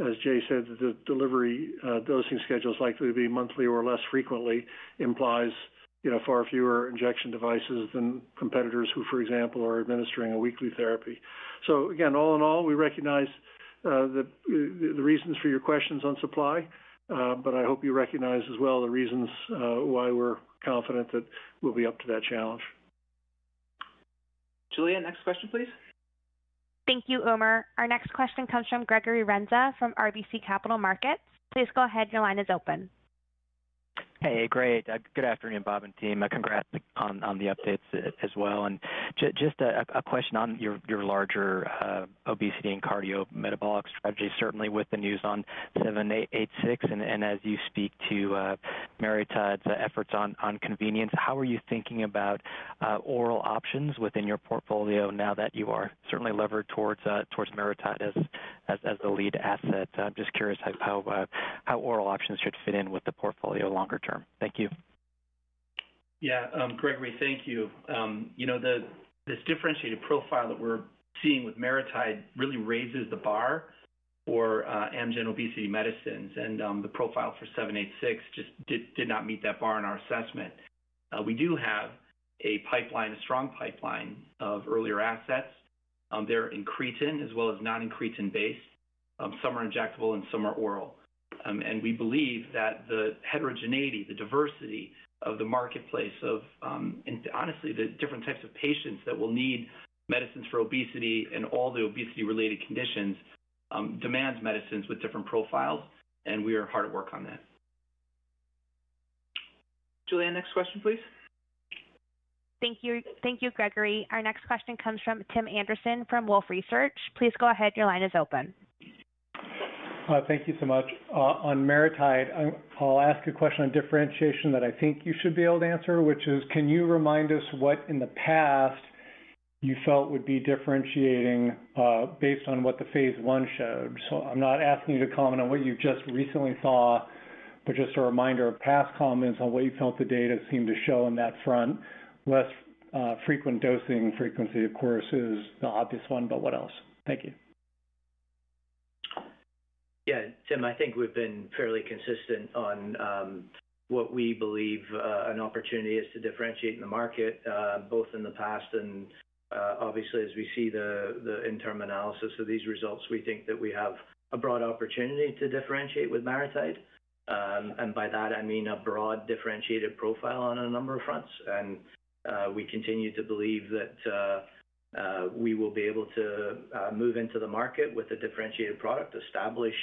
as Jay said, the delivery dosing schedule is likely to be monthly or less frequently implies far fewer injection devices than competitors who, for example, are administering a weekly therapy. So again, all in all, we recognize the reasons for your questions on supply, but I hope you recognize as well the reasons why we're confident that we'll be up to that challenge. Julianne, next question, please. Thank you, Umer. Our next question comes from Gregory Renza from RBC Capital Markets. Please go ahead. Your line is open. Hey, great. Good afternoon, Bob and team. Congrats on the updates as well. Just a question on your larger obesity and cardiometabolic strategy, certainly with the news on AMG 786 and as you speak to MariTide's efforts on convenience, how are you thinking about oral options within your portfolio now that you are certainly levered towards MariTide as the lead asset? I'm just curious how oral options should fit in with the portfolio longer term. Thank you. Yeah, Gregory, thank you. This differentiated profile that we're seeing with MariTide really raises the bar for Amgen obesity medicines. The profile for 786 just did not meet that bar in our assessment. We do have a pipeline, a strong pipeline of earlier assets. They're in incretin as well as non-incretin-based. Some are injectable and some are oral. We believe that the heterogeneity, the diversity of the marketplace of, honestly, the different types of patients that will need medicines for obesity and all the obesity-related conditions demands medicines with different profiles. We are hard at work on that. Julianne, next question, please. Thank you, Gregory. Our next question comes from Tim Anderson from Wolfe Research. Please go ahead. Your line is open. Thank you so much. On MariTide, I'll ask a question on differentiation that I think you should be able to answer, which is, can you remind us what in the past you felt would be differentiating based on what the phase I showed? So I'm not asking you to comment on what you just recently saw, but just a reminder of past comments on what you felt the data seemed to show in that front. Less frequent dosing frequency, of course, is the obvious one, but what else? Thank you. Yeah, Tim, I think we've been fairly consistent on what we believe an opportunity is to differentiate in the market, both in the past and obviously, as we see the internal analysis of these results, we think that we have a broad opportunity to differentiate with MariTide. And by that, I mean a broad differentiated profile on a number of fronts. And we continue to believe that we will be able to move into the market with a differentiated product, establish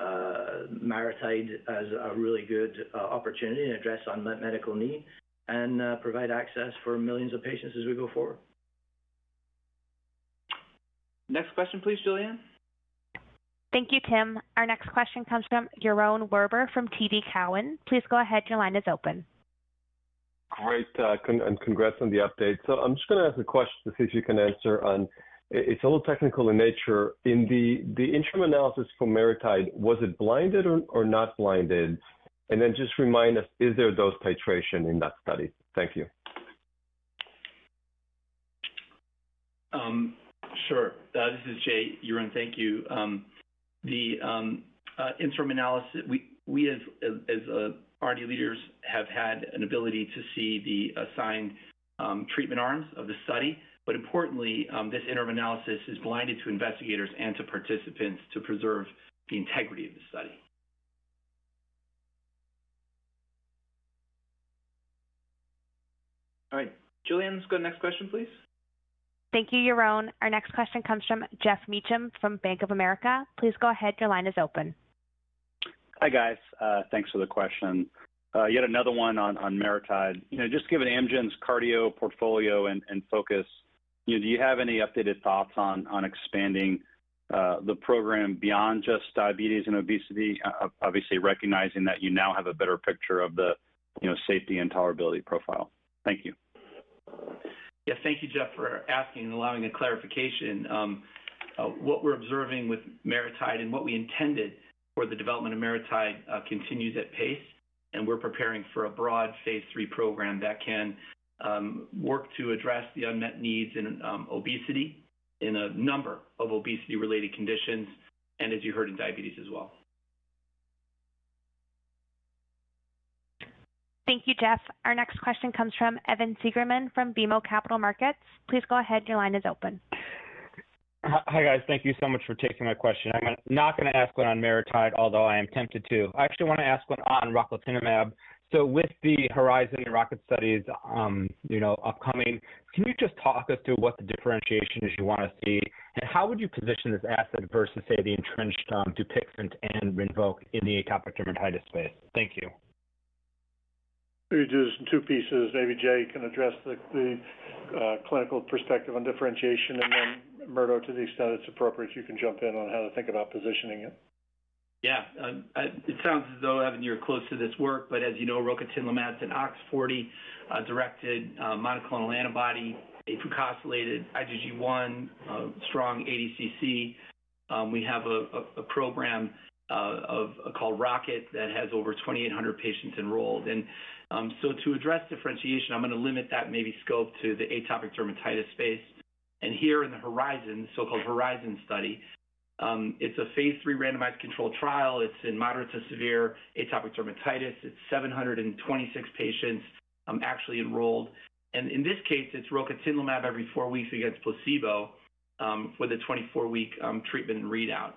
MariTide as a really good opportunity to address unmet medical need, and provide access for millions of patients as we go forward. Next question, please, Julianne. Thank you, Tim. Our next question comes from Yaron Werber from TD Cowen. Please go ahead. Your line is open. Great. And congrats on the update. So I'm just going to ask a question to see if you can answer on it. It's a little technical in nature. In the interim analysis for MariTide, was it blinded or not blinded? And then just remind us, is there dose titration in that study? Thank you. Sure. This is Jay Bradner. Thank you. The interim analysis, we as R&D leaders have had an ability to see the assigned treatment arms of the study. But importantly, this interim analysis is blinded to investigators and to participants to preserve the integrity of the study. All right. Julianne, let's go to the next question, please. Thank you, Yaron. Our next question comes from Geoff Meacham from Bank of America. Please go ahead. Your line is open. Hi, guys. Thanks for the question. Yet another one on MariTide. Just given Amgen's cardio portfolio and focus, do you have any updated thoughts on expanding the program beyond just diabetes and obesity, obviously recognizing that you now have a better picture of the safety and tolerability profile? Thank you. Yeah, thank you, Geoff, for asking and allowing a clarification. What we're observing with MariTide and what we intended for the development of MariTide continues at pace. We're preparing for a broad phase III program that can work to address the unmet needs in obesity, in a number of obesity-related conditions, and as you heard, in diabetes as well. Thank you, Geoff. Our next question comes from Evan Seigerman from BMO Capital Markets. Please go ahead. Your line is open. Hi, guys. Thank you so much for taking my question. I'm not going to ask one on MariTide, although I am tempted to. I actually want to ask one on rocatinlimab. So with the Horizon and ROCKET studies upcoming, can you just talk us through what the differentiation is you want to see, and how would you position this asset versus, say, the entrenched Dupixent and Rinvoq in the atopic dermatitis space? Thank you. Maybe just in two pieces. Maybe Jay can address the clinical perspective on differentiation, and then Murdo, to the extent it's appropriate, you can jump in on how to think about positioning it. Yeah. It sounds as though, Evan, you're close to this work. But as you know, rocatinlimab is an OX40-directed monoclonal antibody, afucosylated IgG1, strong ADCC. We have a program called ROCKET that has over 2,800 patients enrolled. And so to address differentiation, I'm going to limit that maybe scope to the atopic dermatitis space. And here in the Horizon, the so-called Horizon study, it's a phase three randomized controlled trial. It's in moderate to severe atopic dermatitis. It's 726 patients actually enrolled. And in this case, it's rocatinlimab every four weeks against placebo for the 24-week treatment readout.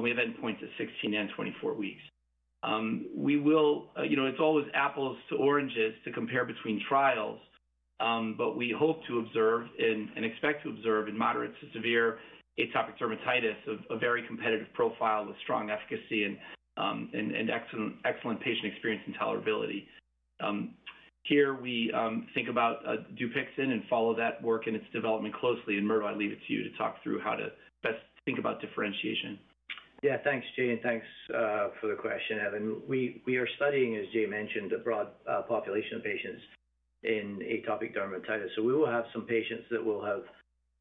We have endpoints at 16 and 24 weeks. It's always apples to oranges to compare between trials, but we hope to observe and expect to observe in moderate to severe atopic dermatitis a very competitive profile with strong efficacy and excellent patient experience and tolerability. Here, we think about Dupixent and follow that work and its development closely. Murdo, I leave it to you to talk through how to best think about differentiation. Yeah, thanks, Jay. And thanks for the question, Evan. We are studying, as Jay mentioned, a broad population of patients in atopic dermatitis. So we will have some patients that will have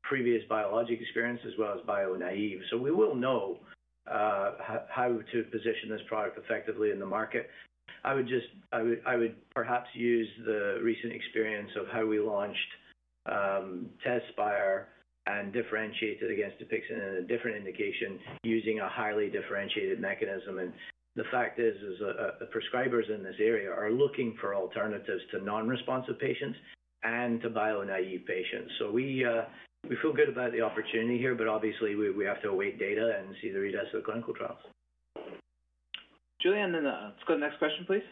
previous biologic experience as well as bio-naive. So we will know how to position this product effectively in the market. I would perhaps use the recent experience of how we launched TEZSPIRE and differentiated against Dupixent in a different indication using a highly differentiated mechanism. And the fact is, prescribers in this area are looking for alternatives to non-responsive patients and to bio-naive patients. So we feel good about the opportunity here, but obviously, we have to await data and see the readouts of the clinical trials. Julianne, let's go to the next question, please.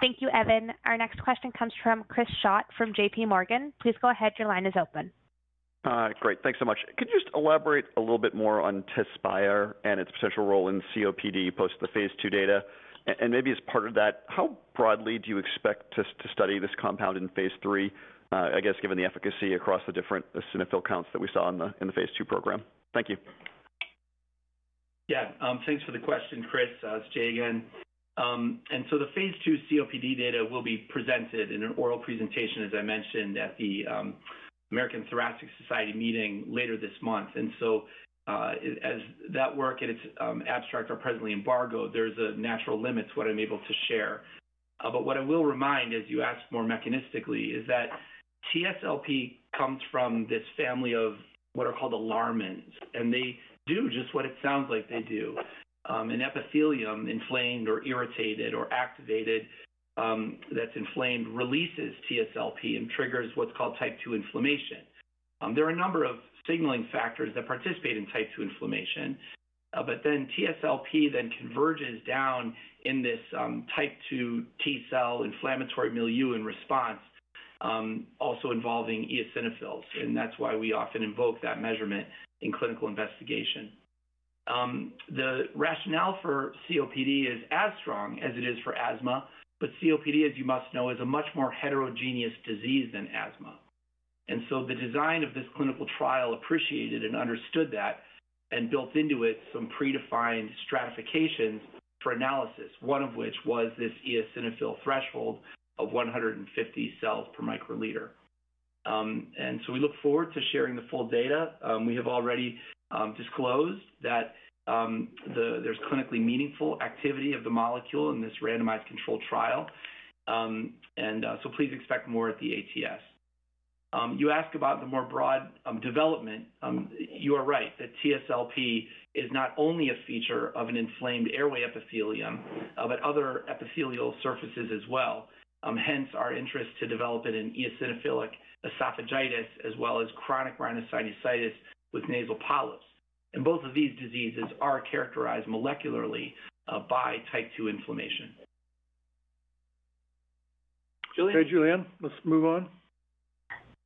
Thank you, Evan. Our next question comes from Chris Schott from J.P. Morgan. Please go ahead. Your line is open. Great. Thanks so much. Could you just elaborate a little bit more on TEZSPIRE and its potential role in COPD post the phase II data? And maybe as part of that, how broadly do you expect to study this compound in phase III, I guess, given the efficacy across the different eosinophil counts that we saw in the phase II program? Thank you. Yeah, thanks for the question, Chris. It's Jay again. And so the phase II COPD data will be presented in an oral presentation, as I mentioned, at the American Thoracic Society meeting later this month. And so as that work and its abstract are presently embargoed, there's a natural limit to what I'm able to share. But what I will remind, as you asked more mechanistically, is that TSLP comes from this family of what are called alarmins. And they do just what it sounds like they do. An epithelium inflamed or irritated or activated that's inflamed releases TSLP and triggers what's called Type 2 inflammation. There are a number of signaling factors that participate in Type 2 inflammation. But then TSLP then converges down in this Type 2 T cell inflammatory milieu in response, also involving eosinophils. And that's why we often invoke that measurement in clinical investigation. The rationale for COPD is as strong as it is for asthma, but COPD, as you must know, is a much more heterogeneous disease than asthma. And so the design of this clinical trial appreciated and understood that and built into it some predefined stratifications for analysis, one of which was this eosinophil threshold of 150 cells per microliter. And so we look forward to sharing the full data. We have already disclosed that there's clinically meaningful activity of the molecule in this randomized controlled trial. And so please expect more at the ATS. You asked about the more broad development. You are right that TSLP is not only a feature of an inflamed airway epithelium, but other epithelial surfaces as well. Hence, our interest to develop it in eosinophilic esophagitis as well as chronic rhinosinusitis with nasal polyps. Both of these diseases are characterized molecularly by Type 2 inflammation. Julianne. Great, Julianne. Let's move on.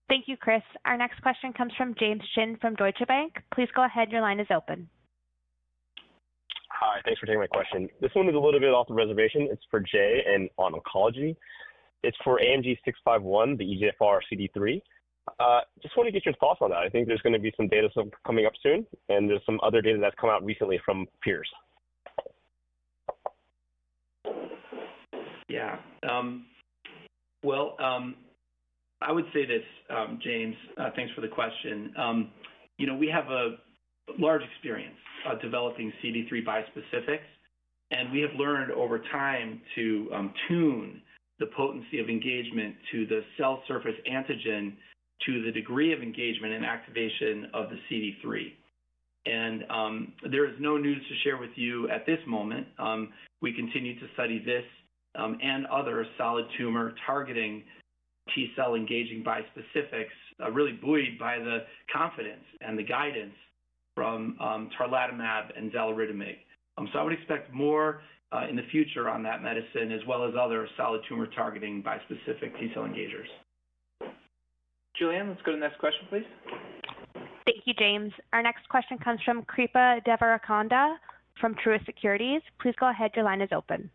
Thank you, Chris. Our next question comes from James Shin from Deutsche Bank. Please go ahead. Your line is open. Hi. Thanks for taking my question. This one is a little bit off the reservation. It's for Jay and on oncology. It's for AMG 651, the EGFR CD3. Just want to get your thoughts on that. I think there's going to be some data coming up soon. There's some other data that's come out recently from peers. Yeah. Well, I would say this, James. Thanks for the question. We have a large experience developing CD3 bispecifics. And we have learned over time to tune the potency of engagement to the cell surface antigen to the degree of engagement and activation of the CD3. And there is no news to share with you at this moment. We continue to study this and other solid tumor targeting T cell engaging bispecifics, really buoyed by the confidence and the guidance from tarlatamab and xaluritamig. So I would expect more in the future on that medicine as well as other solid tumor targeting bispecific T cell engagers. Julianne, let's go to the next question, please. Thank you, James. Our next question comes from Kripa Devarakonda from Truist Securities. Please go ahead. Your line is open.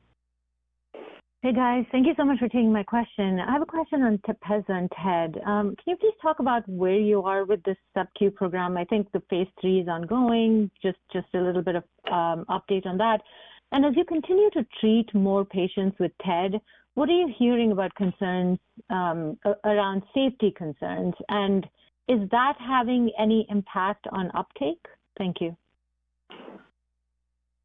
Hey, guys. Thank you so much for taking my question. I have a question on TEPEZZA and TED. Can you please talk about where you are with this sub-Q program? I think the phase III is ongoing. Just a little bit of update on that. And as you continue to treat more patients with TED, what are you hearing about concerns around safety concerns? And is that having any impact on uptake? Thank you.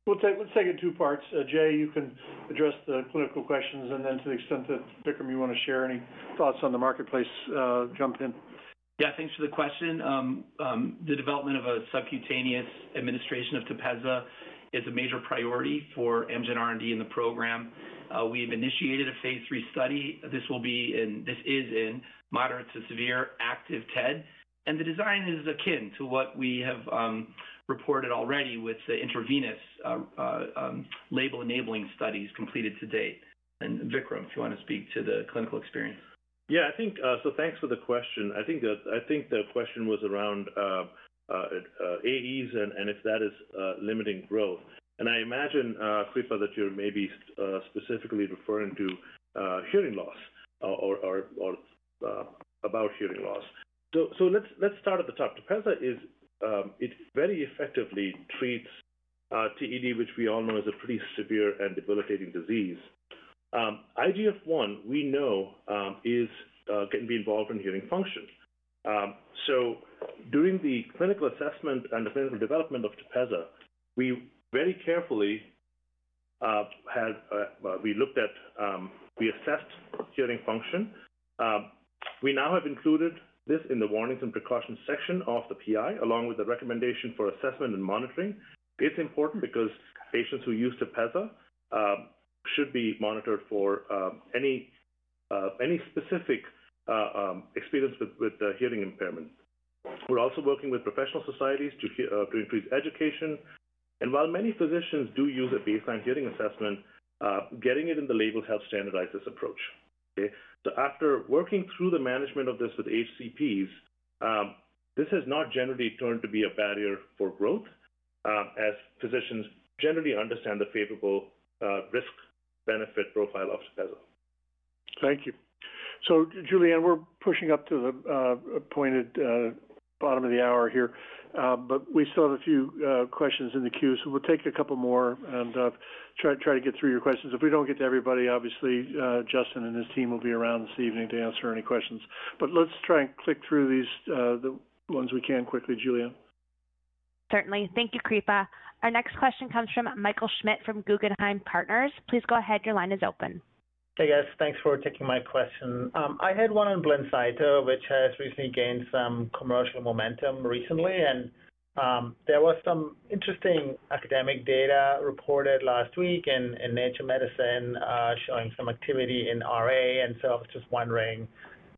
We'll take it in two parts. Jay, you can address the clinical questions. And then to the extent that, Vikram, you want to share any thoughts on the marketplace, jump in. Yeah, thanks for the question. The development of a subcutaneous administration of TEPEZZA is a major priority for Amgen R&D in the program. We have initiated a phase III study. This will be in moderate to severe active TED. And the design is akin to what we have reported already with the intravenous label enabling studies completed to date. And Vikram, if you want to speak to the clinical experience. Yeah, I think so thanks for the question. I think the question was around AEs and if that is limiting growth. And I imagine, Kripa, that you're maybe specifically referring to hearing loss or about hearing loss. So let's start at the top. TEPEZZA very effectively treats TED, which we all know is a pretty severe and debilitating disease. IGF1, we know, can be involved in hearing function. So during the clinical assessment and the clinical development of TEPEZZA, we very carefully assessed hearing function. We now have included this in the warnings and precautions section of the PI, along with the recommendation for assessment and monitoring. It's important because patients who use TEPEZZA should be monitored for any specific experience with hearing impairment. We're also working with professional societies to increase education. While many physicians do use a baseline hearing assessment, getting it in the label helps standardize this approach. After working through the management of this with HCPs, this has not generally turned to be a barrier for growth, as physicians generally understand the favorable risk-benefit profile of TEPEZZA. Thank you. So Julianne, we're pushing up to the pointed bottom of the hour here. But we still have a few questions in the queue. So we'll take a couple more and try to get through your questions. If we don't get to everybody, obviously, Justin and his team will be around this evening to answer any questions. But let's try and click through these ones we can quickly, Julianne. Certainly. Thank you, Kripa. Our next question comes from Michael Schmidt from Guggenheim Partners. Please go ahead. Your line is open. Hey, guys. Thanks for taking my question. I had one on BLINCYTO, which has recently gained some commercial momentum recently. And there was some interesting academic data reported last week in Nature Medicine showing some activity in RA. And so I was just wondering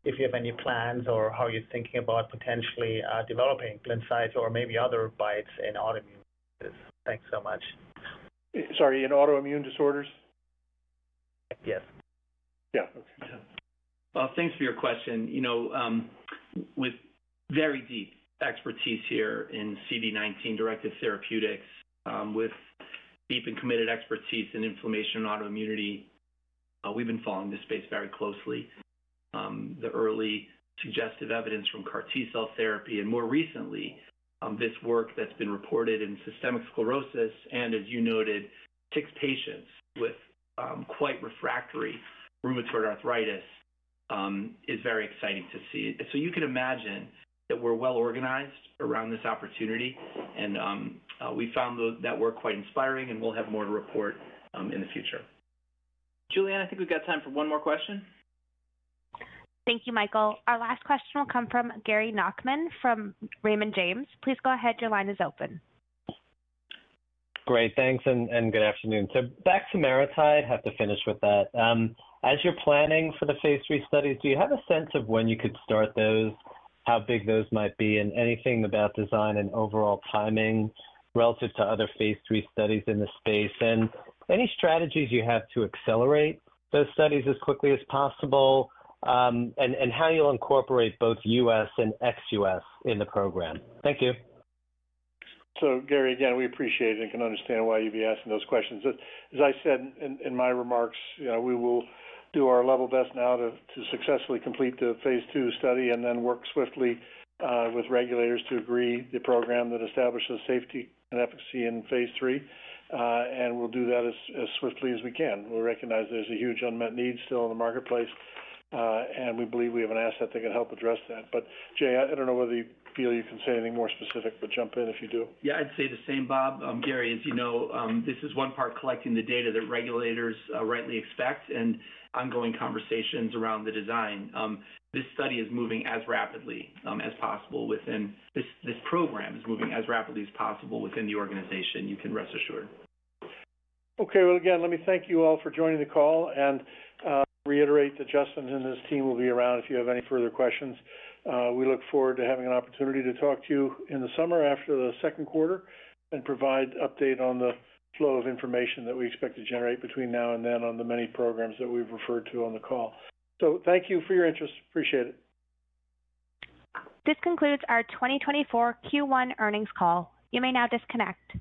if you have any plans or how you're thinking about potentially developing BLINCYTO or maybe other BiTEs in autoimmune diseases. Thanks so much. Sorry, in autoimmune disorders? Yes. Yeah. Okay. Well, thanks for your question. With very deep expertise here in CD19-directed therapeutics, with deep and committed expertise in inflammation and autoimmunity, we've been following this space very closely. The early suggestive evidence from CAR-T cell therapy and more recently, this work that's been reported in systemic sclerosis and, as you noted, ticks patients with quite refractory rheumatoid arthritis is very exciting to see. So you can imagine that we're well organized around this opportunity. And we found that work quite inspiring. And we'll have more to report in the future. Julianne, I think we've got time for one more question. Thank you, Michael. Our last question will come from Gary Nachman from Raymond James. Please go ahead. Your line is open. Great. Thanks. And good afternoon. So back to MariTide. Have to finish with that. As you're planning for the phase III studies, do you have a sense of when you could start those, how big those might be, and anything about design and overall timing relative to other phase III studies in the space? And any strategies you have to accelerate those studies as quickly as possible? And how you'll incorporate both U.S. and ex-U.S. in the program? Thank you. So Gary, again, we appreciate it and can understand why you'd be asking those questions. As I said in my remarks, we will do our level best now to successfully complete the phase II study and then work swiftly with regulators to agree the program that establishes safety and efficacy in phase III. And we'll do that as swiftly as we can. We recognize there's a huge unmet need still in the marketplace. And we believe we have an asset that can help address that. But Jay, I don't know whether you feel you can say anything more specific, but jump in if you do. Yeah, I'd say the same, Bob. Gary, as you know, this is one part collecting the data that regulators rightly expect and ongoing conversations around the design. This study is moving as rapidly as possible within this program is moving as rapidly as possible within the organization. You can rest assured. Okay. Well, again, let me thank you all for joining the call. Reiterate, Justin and his team will be around if you have any further questions. We look forward to having an opportunity to talk to you in the summer after the second quarter and provide an update on the flow of information that we expect to generate between now and then on the many programs that we've referred to on the call. Thank you for your interest. Appreciate it. This concludes our 2024 Q1 earnings call. You may now disconnect.